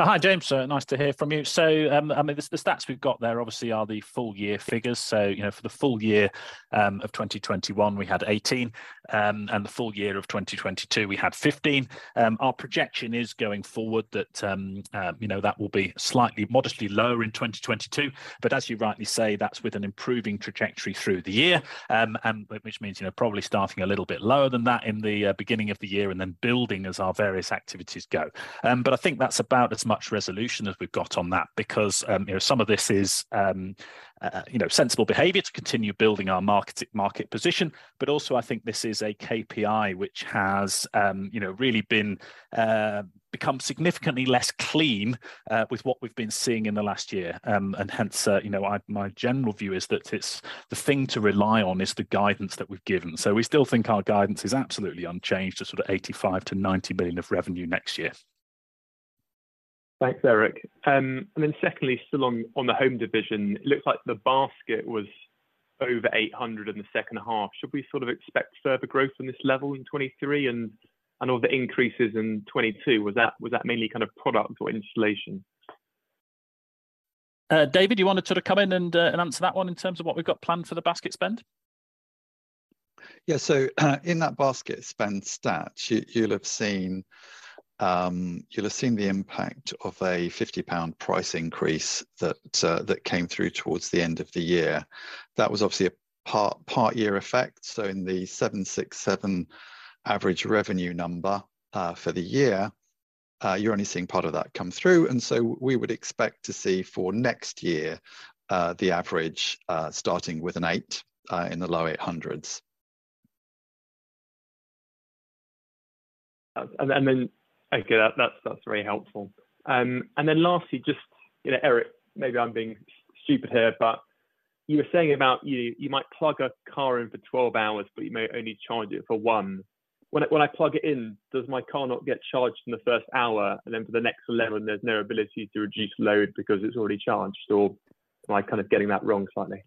Hi, James. nice to hear from you. I mean, the stats we've got there obviously are the full year figures. You know, for the full year of 2021 we had 18, and the full year of 2022 we had 15. Our projection is going forward that, you know, that will be slightly modestly lower in 2022. As you rightly say, that's with an improving trajectory through the year. Which means, you know, probably starting a little bit lower than that in the beginning of the year and then building as our various activities go. I think that's about as much resolution as we've got on that because, you know, some of this is, you know, sensible behavior to continue building our market position. Also I think this is a KPI which has, you know, really been become significantly less clean with what we've been seeing in the last year. Hence, you know, my general view is that it's the thing to rely on is the guidance that we've given. We still think our guidance is absolutely unchanged to sort of 85 million-90 million of revenue next year. Thanks, Erik. Secondly, still on the home division, it looks like the basket was over 800 in the second half. Should we sort of expect further growth in this level in 2023 and all the increases in 2022? Was that mainly kind of product or installation? David, you want to sort of come in and answer that one in terms of what we've got planned for the basket spend? In that basket spend stat, you'll have seen the impact of a 50 pound price increase that came through towards the end of the year. That was obviously a part year effect. In the 767 average revenue number for the year, you're only seeing part of that come through. We would expect to see for next year the average starting with an eight in the low GBP 800s. Then, okay. That's very helpful. Then lastly, just, you know, Erik, maybe I'm being stupid here, but you were saying about you might plug a car in for 12 hours, but you may only charge it for one. When I plug it in, does my car not get charged in the first hour, and then for the next 11, there's no ability to reduce load because it's already charged, or am I kind of getting that wrong slightly?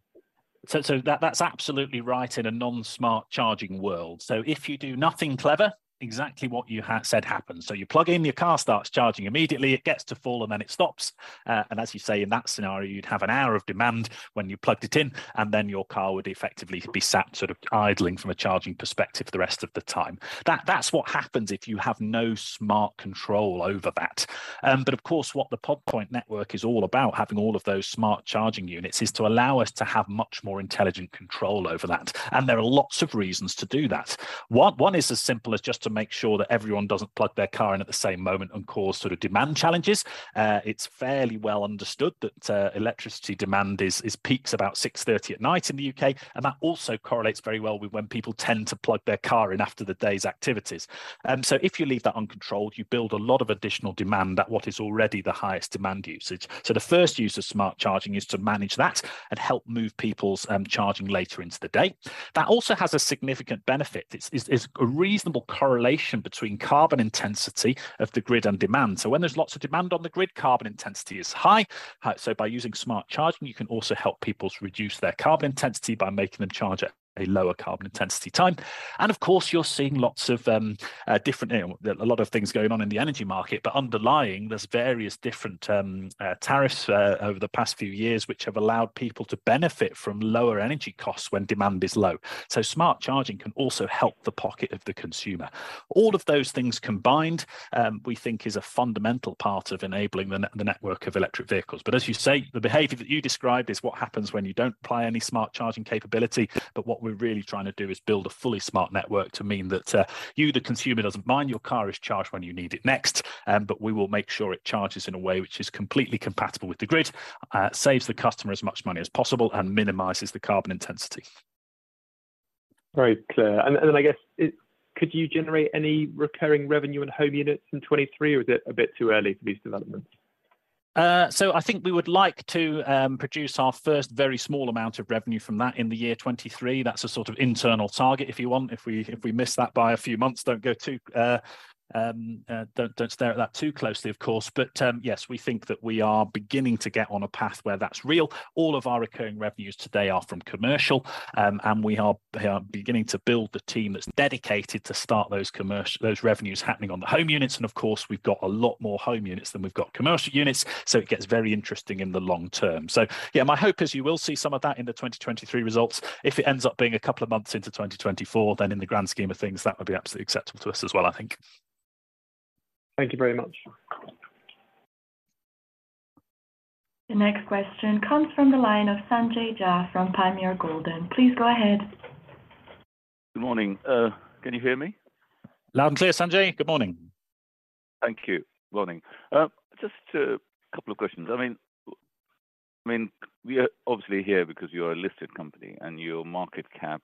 That's absolutely right in a non-smart charging world. If you do nothing clever, exactly what you said happens. You plug in, your car starts charging immediately, it gets to full, and then it stops. As you say, in that scenario, you'd have an hour of demand when you plugged it in, and then your car would effectively be sat sort of idling from a charging perspective the rest of the time. That's what happens if you have no smart control over that. Of course, what the Pod Point network is all about, having all of those smart charging units, is to allow us to have much more intelligent control over that. There are lots of reasons to do that. One is as simple as just to make sure that everyone doesn't plug their car in at the same moment and cause sort of demand challenges. It's fairly well understood that electricity demand is peaks about 6:30 P.M. at night in the U.K., and that also correlates very well with when people tend to plug their car in after the day's activities. If you leave that uncontrolled, you build a lot of additional demand at what is already the highest demand usage. The first use of smart charging is to manage that and help move people's charging later into the day. That also has a significant benefit. There's a reasonable correlation between carbon intensity of the grid and demand. When there's lots of demand on the grid, carbon intensity is high. By using smart charging, you can also help people to reduce their carbon intensity by making them charge at a lower carbon intensity time. Of course, you're seeing lots of different, you know, a lot of things going on in the energy market. Underlying, there's various different tariffs over the past few years, which have allowed people to benefit from lower energy costs when demand is low. Smart charging can also help the pocket of the consumer. All of those things combined, we think is a fundamental part of enabling the network of electric vehicles. As you say, the behavior that you described is what happens when you don't apply any smart charging capability. What we're really trying to do is build a fully smart network to mean that, you, the consumer, doesn't mind your car is charged when you need it next, but we will make sure it charges in a way which is completely compatible with the grid, saves the customer as much money as possible and minimizes the carbon intensity. Very clear. I guess, could you generate any recurring revenue in home units in 2023, or is it a bit too early for these developments? I think we would like to produce our first very small amount of revenue from that in the year 2023. That's a sort of internal target if you want. If we, if we miss that by a few months, don't stare at that too closely, of course. Yes, we think that we are beginning to get on a path where that's real. All of our recurring revenues today are from commercial. We are beginning to build the team that's dedicated to start those revenues happening on the home units. Of course, we've got a lot more home units than we've got commercial units, so it gets very interesting in the long term. Yeah, my hope is you will see some of that in the 2023 results. If it ends up being a couple of months into 2024, then in the grand scheme of things, that would be absolutely acceptable to us as well, I think. Thank you very much. The next question comes from the line of Sanjay Jha from Panmure Gordon. Please go ahead. Good morning. Can you hear me? Loud and clear, Sanjay. Good morning. Thank you. Morning. Just a couple of questions. I mean, we are obviously here because you're a listed company, and your market cap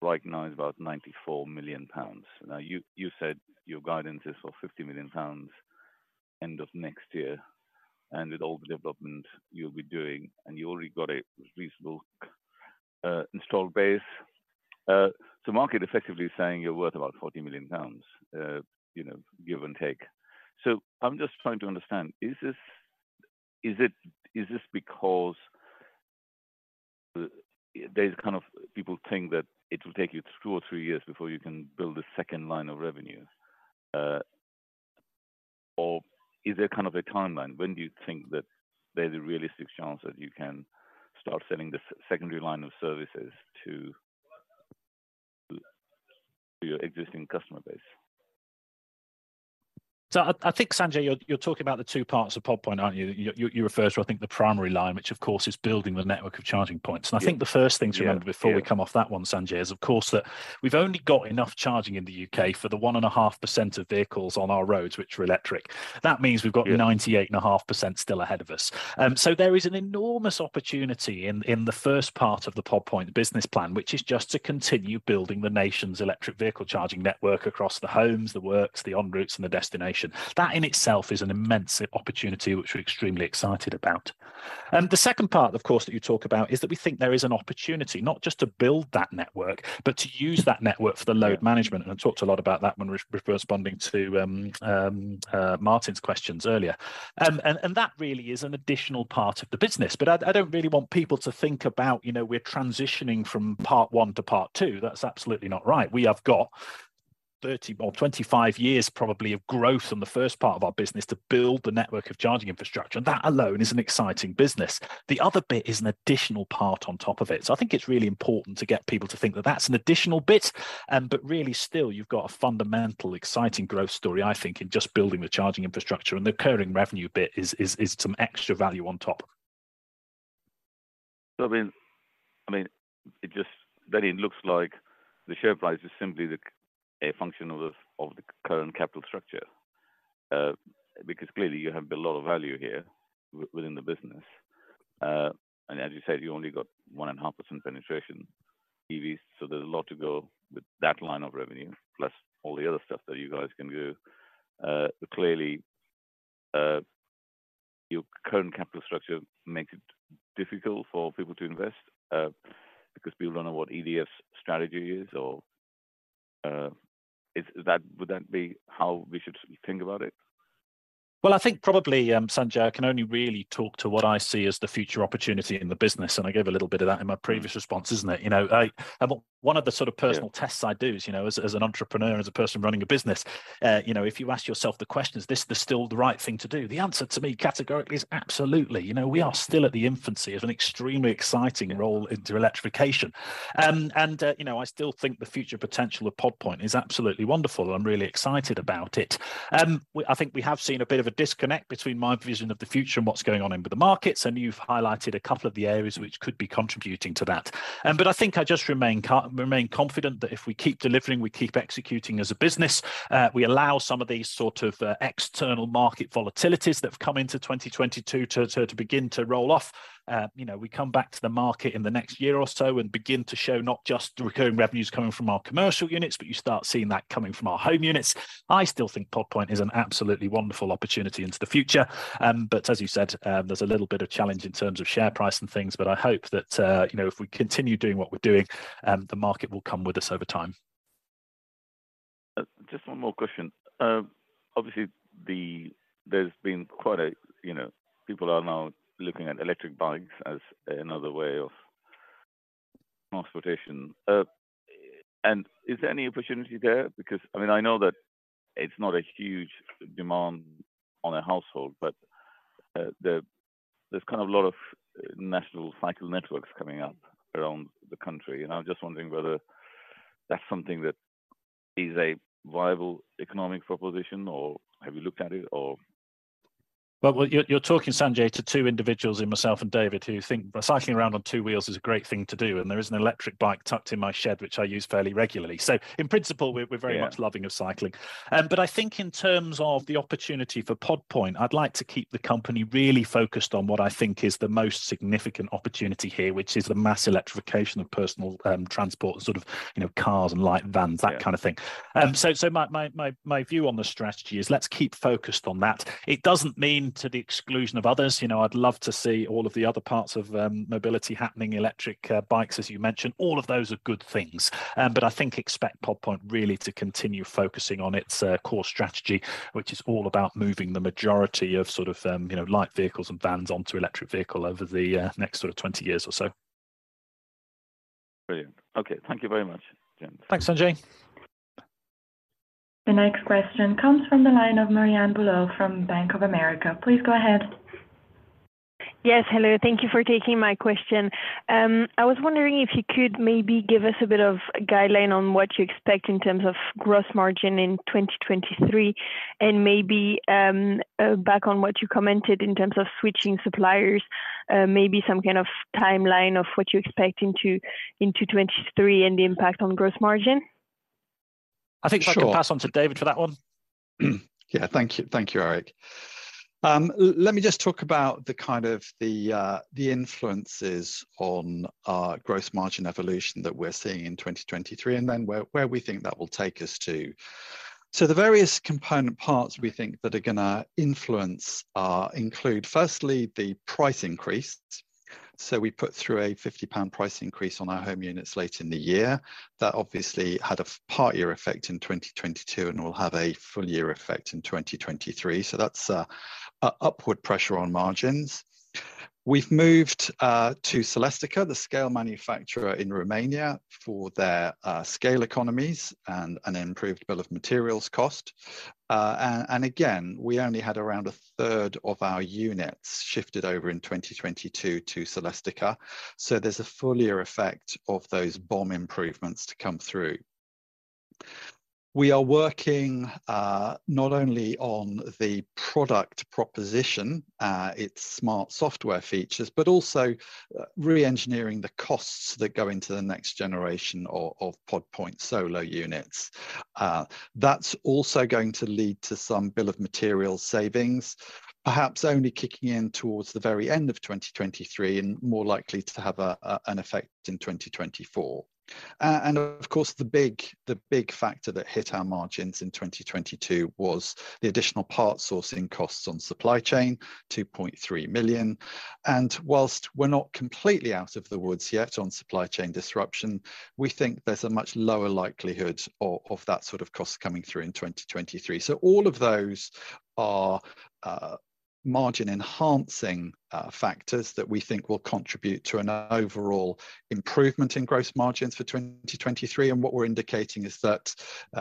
right now is about 94 million pounds. You said your guidance is for 50 million pounds end of next year, and with all the development you'll be doing, and you already got a reasonable install base. Market effectively is saying you're worth about 40 million pounds, you know, give and take. I'm just trying to understand, is this because there's kind of people think that it will take you two or three years before you can build a second line of revenue? Is there kind of a timeline? When do you think that there's a realistic chance that you can start selling the secondary line of services to your existing customer base? I think, Sanjay, you're talking about the two parts of Pod Point, aren't you? You refer to, I think, the primary line, which of course is building the network of charging points. Yeah. I think the first thing to remember before we come off that one, Sanjay, is of course that we've only got enough charging in the U.K. for the 1.5% of vehicles on our roads which are electric. Yeah. That means we've got 98.5% still ahead of us. There is an enormous opportunity in the first part of the Pod Point business plan, which is just to continue building the nation's electric vehicle charging network across the homes, the works, the en routes, and the destination. That in itself is an immense opportunity which we're extremely excited about. The second part, of course, that you talk about is that we think there is an opportunity not just to build that network, but to use that network for the load management. I talked a lot about that when re-responding to Martin's questions earlier. That really is an additional part of the business. I don't really want people to think about, you know, we're transitioning from part one to part two. That's absolutely not right. We have got 30 or 25 years probably of growth in the first part of our business to build the network of charging infrastructure. That alone is an exciting business. The other bit is an additional part on top of it. I think it's really important to get people to think that that's an additional bit. Really still you've got a fundamental exciting growth story, I think, in just building the charging infrastructure, and the recurring revenue bit is some extra value on top. I mean, it just then it looks like the share price is simply the a function of the of the current capital structure. Because clearly you have a lot of value here within the business. As you said, you only got 1.5% penetration EVs, so there's a lot to go with that line of revenue, plus all the other stuff that you guys can do. Clearly, your current capital structure makes it difficult for people to invest, because people don't know what EDF's strategy is or is that? Would that be how we should think about it? Well, I think probably, Sanjay, I can only really talk to what I see as the future opportunity in the business, and I gave a little bit of that in my previous response, isn't it? You know, I, one of the sort of personal tests I do, you know, as an entrepreneur, as a person running a business, you know, if you ask yourself the question, "Is this the still the right thing to do?" The answer to me categorically is absolutely. You know, we are still at the infancy of an extremely exciting role into electrification. You know, I still think the future potential of Pod Point is absolutely wonderful, and I'm really excited about it. I think we have seen a bit of a disconnect between my vision of the future and what's going on in with the markets, and you've highlighted a couple of the areas which could be contributing to that. I think I just remain confident that if we keep delivering, we keep executing as a business, we allow some of these sort of, external market volatilities that have come into 2022 to begin to roll off. You know, we come back to the market in the next year or so and begin to show not just the recurring revenues coming from our commercial units, but you start seeing that coming from our home units. I still think Pod Point is an absolutely wonderful opportunity into the future. As you said, there's a little bit of challenge in terms of share price and things, but I hope that, you know, if we continue doing what we're doing, the market will come with us over time. Just 1 more question. Obviously, there's been quite a, you know, people are now looking at electric bikes as another way of transportation. Is there any opportunity there? Because I mean, I know that it's not a huge demand on a household, but there's kind of a lot of national cycle networks coming up around the country, and I'm just wondering whether that's something that is a viable economic proposition or have you looked at it at all? Well, you're talking, Sanjay, to two individuals in myself and David who think cycling around on two wheels is a great thing to do, and there is an electric bike tucked in my shed which I use fairly regularly. In principle, we're very much loving of cycling. I think in terms of the opportunity for Pod Point, I'd like to keep the company really focused on what I think is the most significant opportunity here, which is the mass electrification of personal transport, sort of, you know, cars and light vans, that kind of thing. My view on the strategy is let's keep focused on that. It doesn't mean to the exclusion of others. You know, I'd love to see all of the other parts of mobility happening, electric bikes, as you mentioned. All of those are good things. I think expect Pod Point really to continue focusing on its core strategy, which is all about moving the majority of sort of, you know, light vehicles and vans onto electric vehicle over the next sort of 20 years or so. Brilliant. Okay. Thank you very much, gents. Thanks, Sanjay. The next question comes from the line of Marianne Bulow from Bank of America. Please go ahead. Yes. Hello. Thank you for taking my question. I was wondering if you could maybe give us a bit of guideline on what you expect in terms of gross margin in 2023. Maybe, back on what you commented in terms of switching suppliers, maybe some kind of timeline of what you expect into 2023 and the impact on gross margin. I think if I could pass on to David for that one. Sure. Yeah. Thank you, thank you, Erik. Let me just talk about the kind of the influences on our gross margin evolution that we're seeing in 2023 and where we think that will take us to. The various component parts we think that are gonna influence our include, firstly, the price increase. We put through a 50 pound price increase on our home units late in the year. That obviously had a part year effect in 2022 and will have a full year effect in 2023. That's upward pressure on margins. We've moved to Celestica, the scale manufacturer in Romania for their scale economies and an improved bill of materials cost. And again, we only had around a third of our units shifted over in 2022 to Celestica. There's a full year effect of those BOM improvements to come through. We are working not only on the product proposition, its smart software features, but also re-engineering the costs that go into the next generation of Pod Point Solo units. That's also going to lead to some bill of materials savings, perhaps only kicking in towards the very end of 2023 and more likely to have an effect in 2024. Of course, the big, the big factor that hit our margins in 2022 was the additional part sourcing costs on supply chain, 2.3 million. Whilst we're not completely out of the woods yet on supply chain disruption, we think there's a much lower likelihood of that sort of cost coming through in 2023. All of those are Margin enhancing factors that we think will contribute to an overall improvement in gross margins for 2023. What we're indicating is that,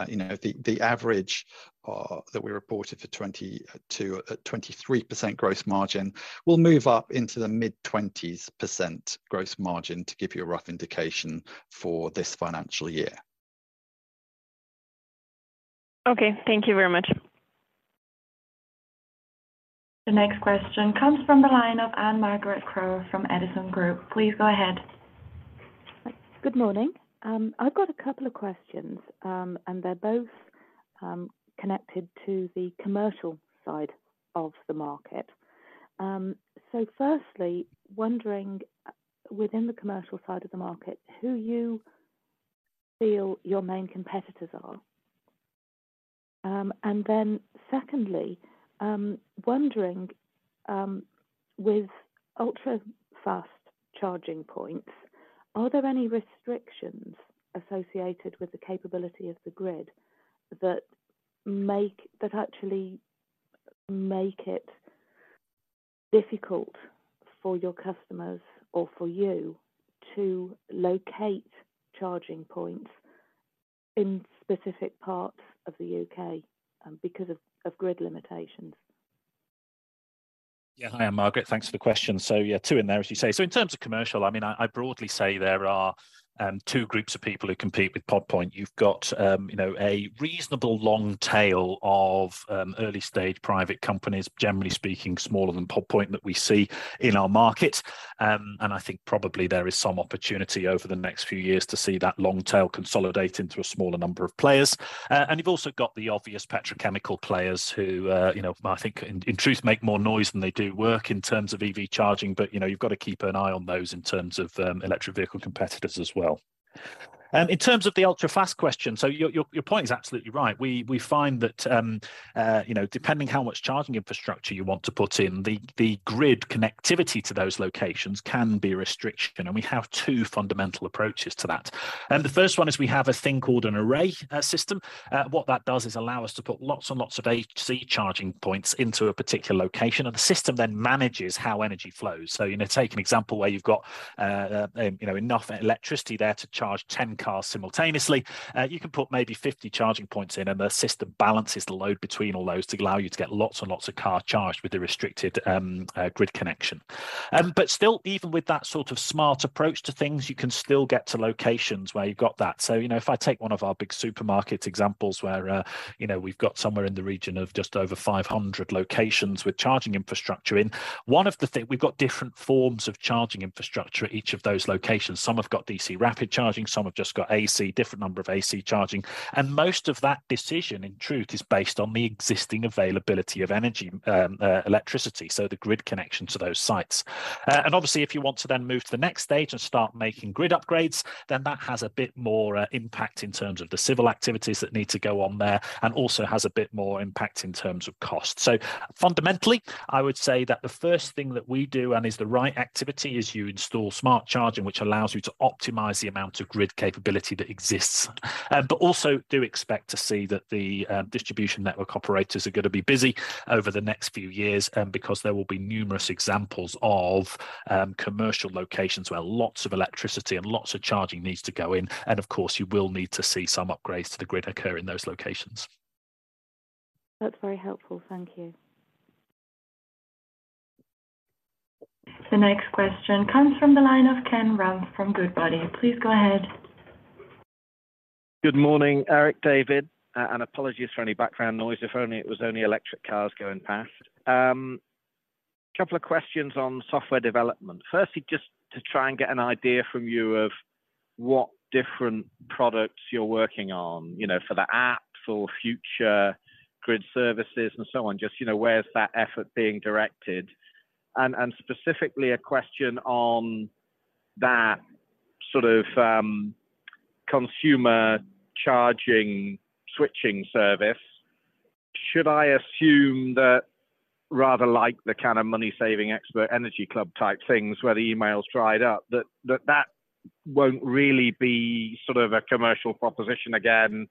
you know, the average that we reported for 23% gross margin will move up into the mid-20s% gross margin, to give you a rough indication for this financial year. Okay, thank you very much. The next question comes from the line of Anne-Margaret Crowe from Edison Group. Please go ahead. Good morning. I've got a couple of questions, and they're both connected to the commercial side of the market. Firstly, wondering within the commercial side of the market, who you feel your main competitors are? Secondly, wondering with ultra-fast charging points, are there any restrictions associated with the capability of the grid that actually make it difficult for your customers or for you to locate charging points in specific parts of the U.K. because of grid limitations? Yeah. Hi, Anne-Margaret. Thanks for the question. Yeah, two in there, as you say. In terms of commercial, I mean, I broadly say there are two groups of people who compete with Pod Point. You've got, you know, a reasonable long tail of early stage private companies, generally speaking, smaller than Pod Point that we see in our market. I think probably there is some opportunity over the next few years to see that long tail consolidate into a smaller number of players. You've also got the obvious petrochemical players who, you know, I think in truth, make more noise than they do work in terms of EV charging, but, you know, you've got to keep an eye on those in terms of electric vehicle competitors as well. In terms of the ultra-fast question, your point is absolutely right. We find that, you know, depending how much charging infrastructure you want to put in, the grid connectivity to those locations can be a restriction, we have two fundamental approaches to that. The first one is we have a thing called an Array system. What that does is allow us to put lots of AC charging points into a particular location, the system then manages how energy flows. You know, take an example where you've got, you know, enough electricity there to charge 10 cars simultaneously. You can put maybe 50 charging points in. The system balances the load between all those to allow you to get lots and lots of car charged with the restricted grid connection. Still, even with that sort of smart approach to things, you can still get to locations where you've got that. You know, if I take one of our big supermarket examples where, you know, we've got somewhere in the region of just over 500 locations with charging infrastructure in. We've got different forms of charging infrastructure at each of those locations. Some have got DC rapid charging, some have just got AC, different number of AC charging. Most of that decision, in truth, is based on the existing availability of energy, electricity, so the grid connection to those sites. Obviously, if you want to then move to the next stage and start making grid upgrades, then that has a bit more impact in terms of the civil activities that need to go on there and also has a bit more impact in terms of cost. Fundamentally, I would say that the first thing that we do, and is the right activity, is you install smart charging, which allows you to optimize the amount of grid capability that exists. Also do expect to see that the Distribution Network Operators are gonna be busy over the next few years because there will be numerous examples of commercial locations where lots of electricity and lots of charging needs to go in. Of course, you will need to see some upgrades to the grid occur in those locations. That's very helpful. Thank you. The next question comes from the line of Ken Rumph from Goodbody. Please go ahead. Good morning, Erik, David, and apologies for any background noise. If only it was only electric cars going past. Couple of questions on software development. Firstly, just to try and get an idea from you of what different products you're working on, you know, for the apps or future grid services and so on. Just, you know, where's that effort being directed? Specifically a question on that sort of consumer charging switching service. Should I assume that rather like the kind of Money Saving Expert Cheap Energy Club type things where the emails dried up, that won't really be sort of a commercial proposition again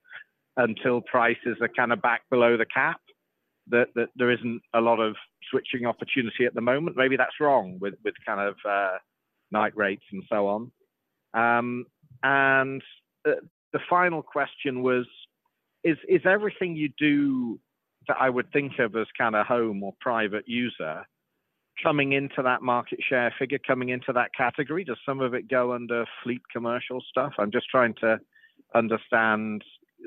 until prices are kind of back below the cap? That there isn't a lot of switching opportunity at the moment. Maybe that's wrong with kind of night rates and so on. The final question was, is everything you do that I would think of as kind of home or private user coming into that market share figure, coming into that category? Does some of it go under fleet commercial stuff? I'm just trying to understand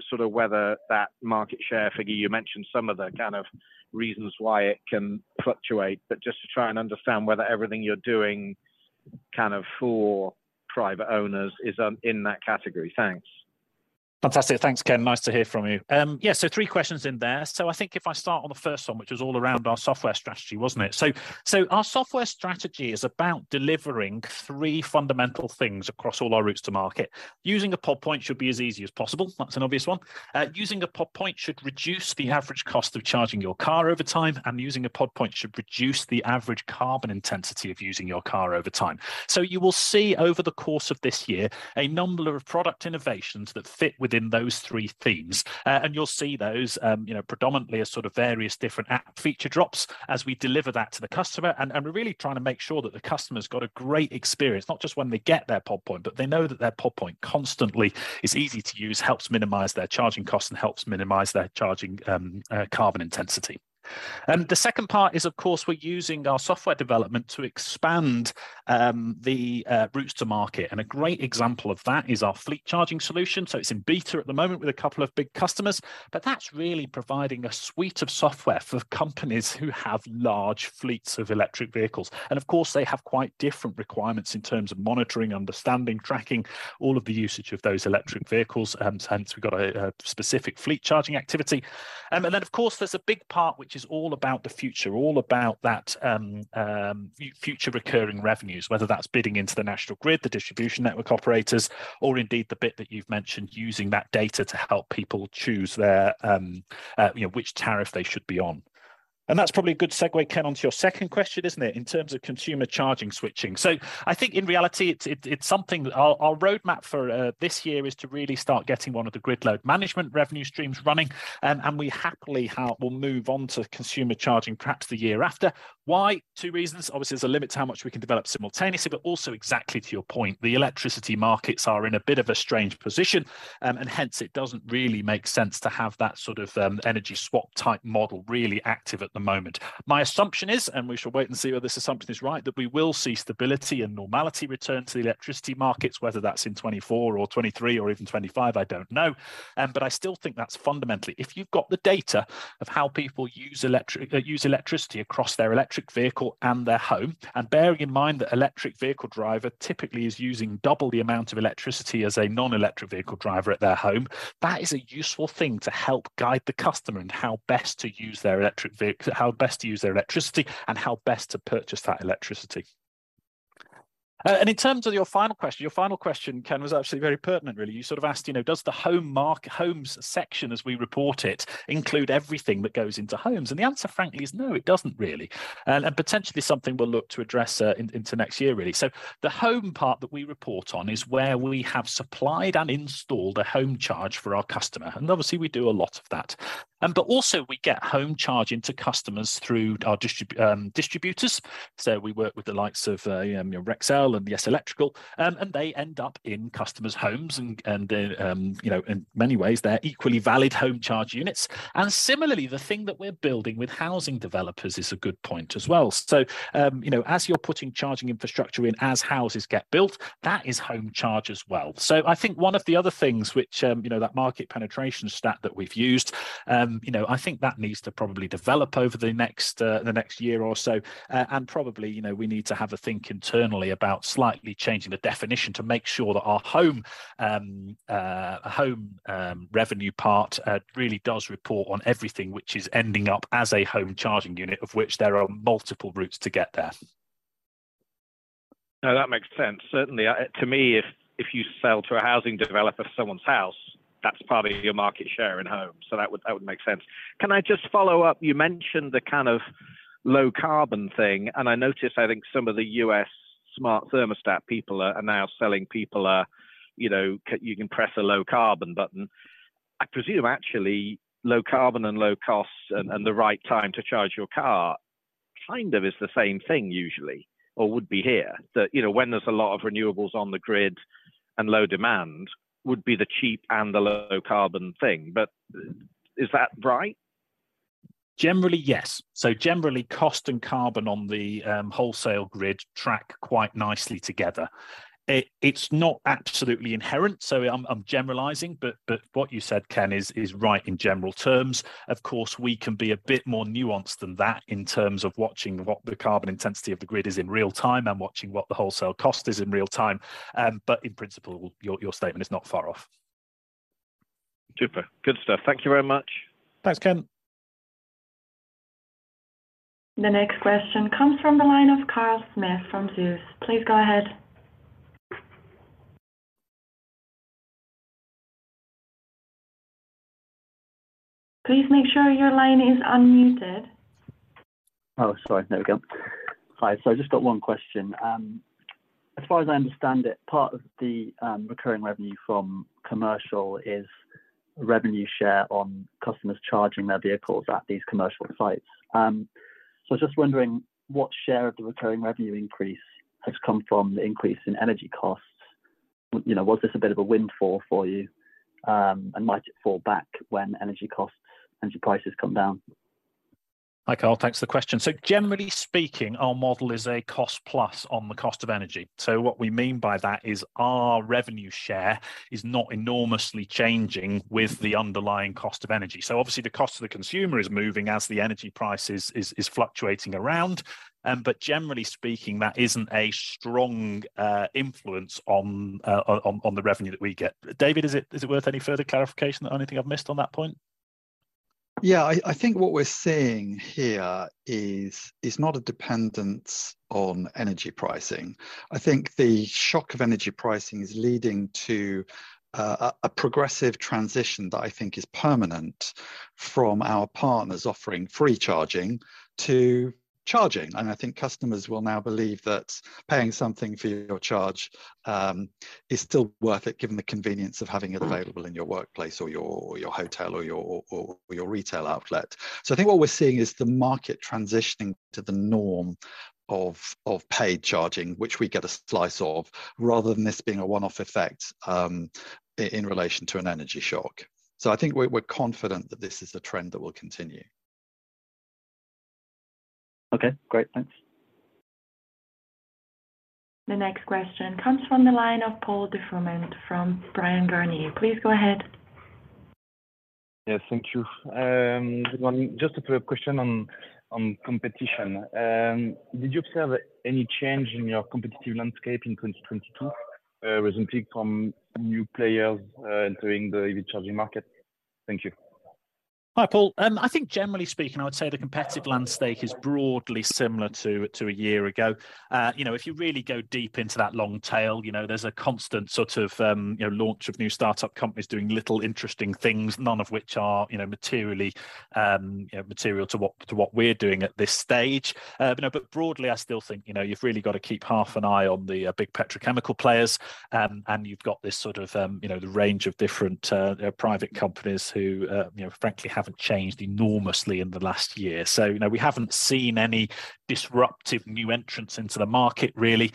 sort of whether that market share figure, you mentioned some of the kind of reasons why it can fluctuate, but just to try and understand whether everything you're doing kind of for private owners is in that category. Thanks. Fantastic. Thanks, Ken. Nice to hear from you. Yeah, three questions in there. I think if I start on the first one, which was all around our software strategy, wasn't it? Our software strategy is about delivering three fundamental things across all our routes to market. Using a Pod Point should be as easy as possible. That's an obvious one. Using a Pod Point should reduce the average cost of charging your car over time, and using a Pod Point should reduce the average carbon intensity of using your car over time. You will see over the course of this year a number of product innovations that fit within those three themes. You'll see those, you know, predominantly as sort of various different app feature drops as we deliver that to the customer, and we're really trying to make sure that the customer's got a great experience, not just when they get their Pod Point, but they know that their Pod Point constantly is easy to use, helps minimize their charging cost, and helps minimize their charging carbon intensity. The second part is, of course, we're using our software development to expand the routes to market, and a great example of that is our Home Fleet solution. It's in beta at the moment with a couple of big customers, but that's really providing a suite of software for companies who have large fleets of electric vehicles. Of course, they have quite different requirements in terms of monitoring, understanding, tracking all of the usage of those electric vehicles, hence we've got a specific Home Fleet activity. Then, of course, there's a big part which is all about the future, all about that future recurring revenues, whether that's bidding into the National Grid, the Distribution Network Operators, or indeed the bit that you've mentioned, using that data to help people choose their, you know, which tariff they should be on. That's probably a good segue, Ken, onto your second question, isn't it, in terms of consumer charging switching. I think in reality, it's something. Our roadmap for this year is to really start getting one of the grid load management revenue streams running, and we happily have. will move on to consumer charging perhaps the year after. Why? Two reasons. Obviously, there's a limit to how much we can develop simultaneously. Also exactly to your point, the electricity markets are in a bit of a strange position, hence, it doesn't really make sense to have that sort of energy swap type model really active at the moment. My assumption is, we shall wait and see whether this assumption is right, that we will see stability and normality return to the electricity markets, whether that's in 2024 or 2023 or even 2025, I don't know. I still think that's fundamentally. If you've got the data of how people use. use electricity across their electric vehicle and their home, and bearing in mind that electric vehicle driver typically is using two the amount of electricity as a non-electric vehicle driver at their home, that is a useful thing to help guide the customer in how best to use their electricity and how best to purchase that electricity. In terms of your final question, Ken, was actually very pertinent really. You sort of asked, you know, does the homes section as we report it include everything that goes into homes? The answer, frankly, is no, it doesn't really. Potentially something we'll look to address into next year really. The home part that we report on is where we have supplied and installed a home charge for our customer, and obviously we do a lot of that. Also we get home charging to customers through our distributors, so we work with the likes of, you know, Rexel and YESSS Electrical, and they end up in customers' homes and, you know, in many ways they're equally valid home charge units. Similarly, the thing that we're building with housing developers is a Pod Point as well. You know, as you're putting charging infrastructure in, as houses get built, that is home charge as well. I think one of the other things which, you know, that market penetration stat that we've used, you know, I think that needs to probably develop over the next, the next year or so. Probably, you know, we need to have a think internally about slightly changing the definition to make sure that our home revenue part, really does report on everything which is ending up as a home charging unit, of which there are multiple routes to get there. No, that makes sense. Certainly, to me, if you sell to a housing developer for someone's house, that's probably your market share in home, so that would make sense. Can I just follow up, you mentioned the kind of low carbon thing, and I notice, I think, some of the U.S. smart thermostat people are now selling people a, you know, you can press a low carbon button. I presume actually low carbon and low costs and the right time to charge your car kind of is the same thing usually or would be here. The, you know, when there's a lot of renewables on the grid and low demand would be the cheap and the low carbon thing. Is that right? Generally, yes. Generally, cost and carbon on the wholesale grid track quite nicely together. It's not absolutely inherent, so I'm generalizing, but what you said, Ken, is right in general terms. Of course, we can be a bit more nuanced than that in terms of watching what the carbon intensity of the grid is in real time and watching what the wholesale cost is in real time. In principle, your statement is not far off. Super. Good stuff. Thank you very much. Thanks, Ken. The next question comes from the line of Carl Smith from Zeus. Please go ahead. Please make sure your line is unmuted. Sorry, there we go. Hi. I've just got one question. As far as I understand it, part of the recurring revenue from commercial is revenue share on customers charging their vehicles at these commercial sites. I was just wondering what share of the recurring revenue increase has come from the increase in energy costs. You know, was this a bit of a windfall for you? Might it fall back when energy costs and your prices come down? Generally speaking, our model is a cost plus on the cost of energy. What we mean by that is our revenue share is not enormously changing with the underlying cost of energy. Obviously the cost to the consumer is moving as the energy price is fluctuating around, but generally speaking, that isn't a strong influence on the revenue that we get. David, is it worth any further clarification or anything I've missed on that point? Yeah, I think what we're seeing here is not a dependence on energy pricing. I think the shock of energy pricing is leading to a progressive transition that I think is permanent from our partners offering free charging to charging. I think customers will now believe that paying something for your charge is still worth it given the convenience of having it available in your workplace or your hotel or your retail outlet. I think what we're seeing is the market transitioning to the norm of paid charging, which we get a slice of, rather than this being a one-off effect in relation to an energy shock. I think we're confident that this is a trend that will continue. Okay, great. Thanks. The next question comes from the line of Paul de Froment from Bryan Garnier. Please go ahead. Yes, thank you. Just a quick question on competition. Did you observe any change in your competitive landscape in 2022 recently from new players entering the EV charging market? Thank you. Hi, Paul. I think generally speaking, I would say the competitive landscape is broadly similar to a year ago. You know, if you really go deep into that long tail, you know, there's a constant sort of, you know, launch of new startup companies doing little interesting things, none of which are, you know, materially, you know, material to what, to what we're doing at this stage. Broadly, I still think, you know, you've really got to keep half an eye on the big petrochemical players. You've got this sort of, you know, the range of different private companies who, you know, frankly, haven't changed enormously in the last year. You know, we haven't seen any disruptive new entrants into the market, really.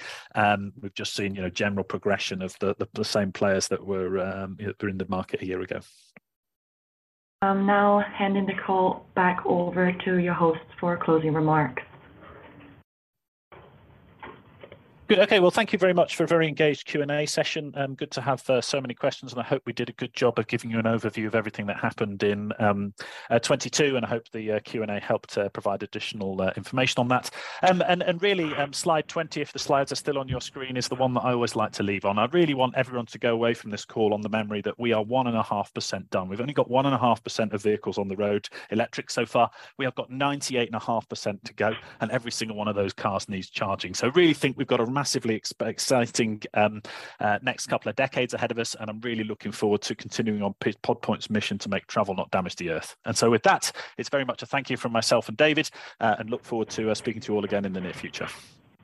We've just seen, you know, general progression of the same players that were in the market a year ago. I'm now handing the call back over to your hosts for closing remarks. Good. Okay. Well, thank you very much for a very engaged Q&A session, and good to have so many questions, and I hope we did a good job of giving you an overview of everything that happened in 2022, and I hope the Q&A helped to provide additional information on that. Really, slide 20, if the slides are still on your screen, is the one that I always like to leave on. I really want everyone to go away from this call on the memory that we are 1.5% done. We've only got 1.5% of vehicles on the road electric so far. We have got 98.5% to go, and every single one of those cars needs charging. I really think we've got a massively exciting next couple of decades ahead of us, and I'm really looking forward to continuing on Pod Point's mission to make travel not damage the Earth. With that, it's very much a thank you from myself and David, and look forward to speaking to you all again in the near future.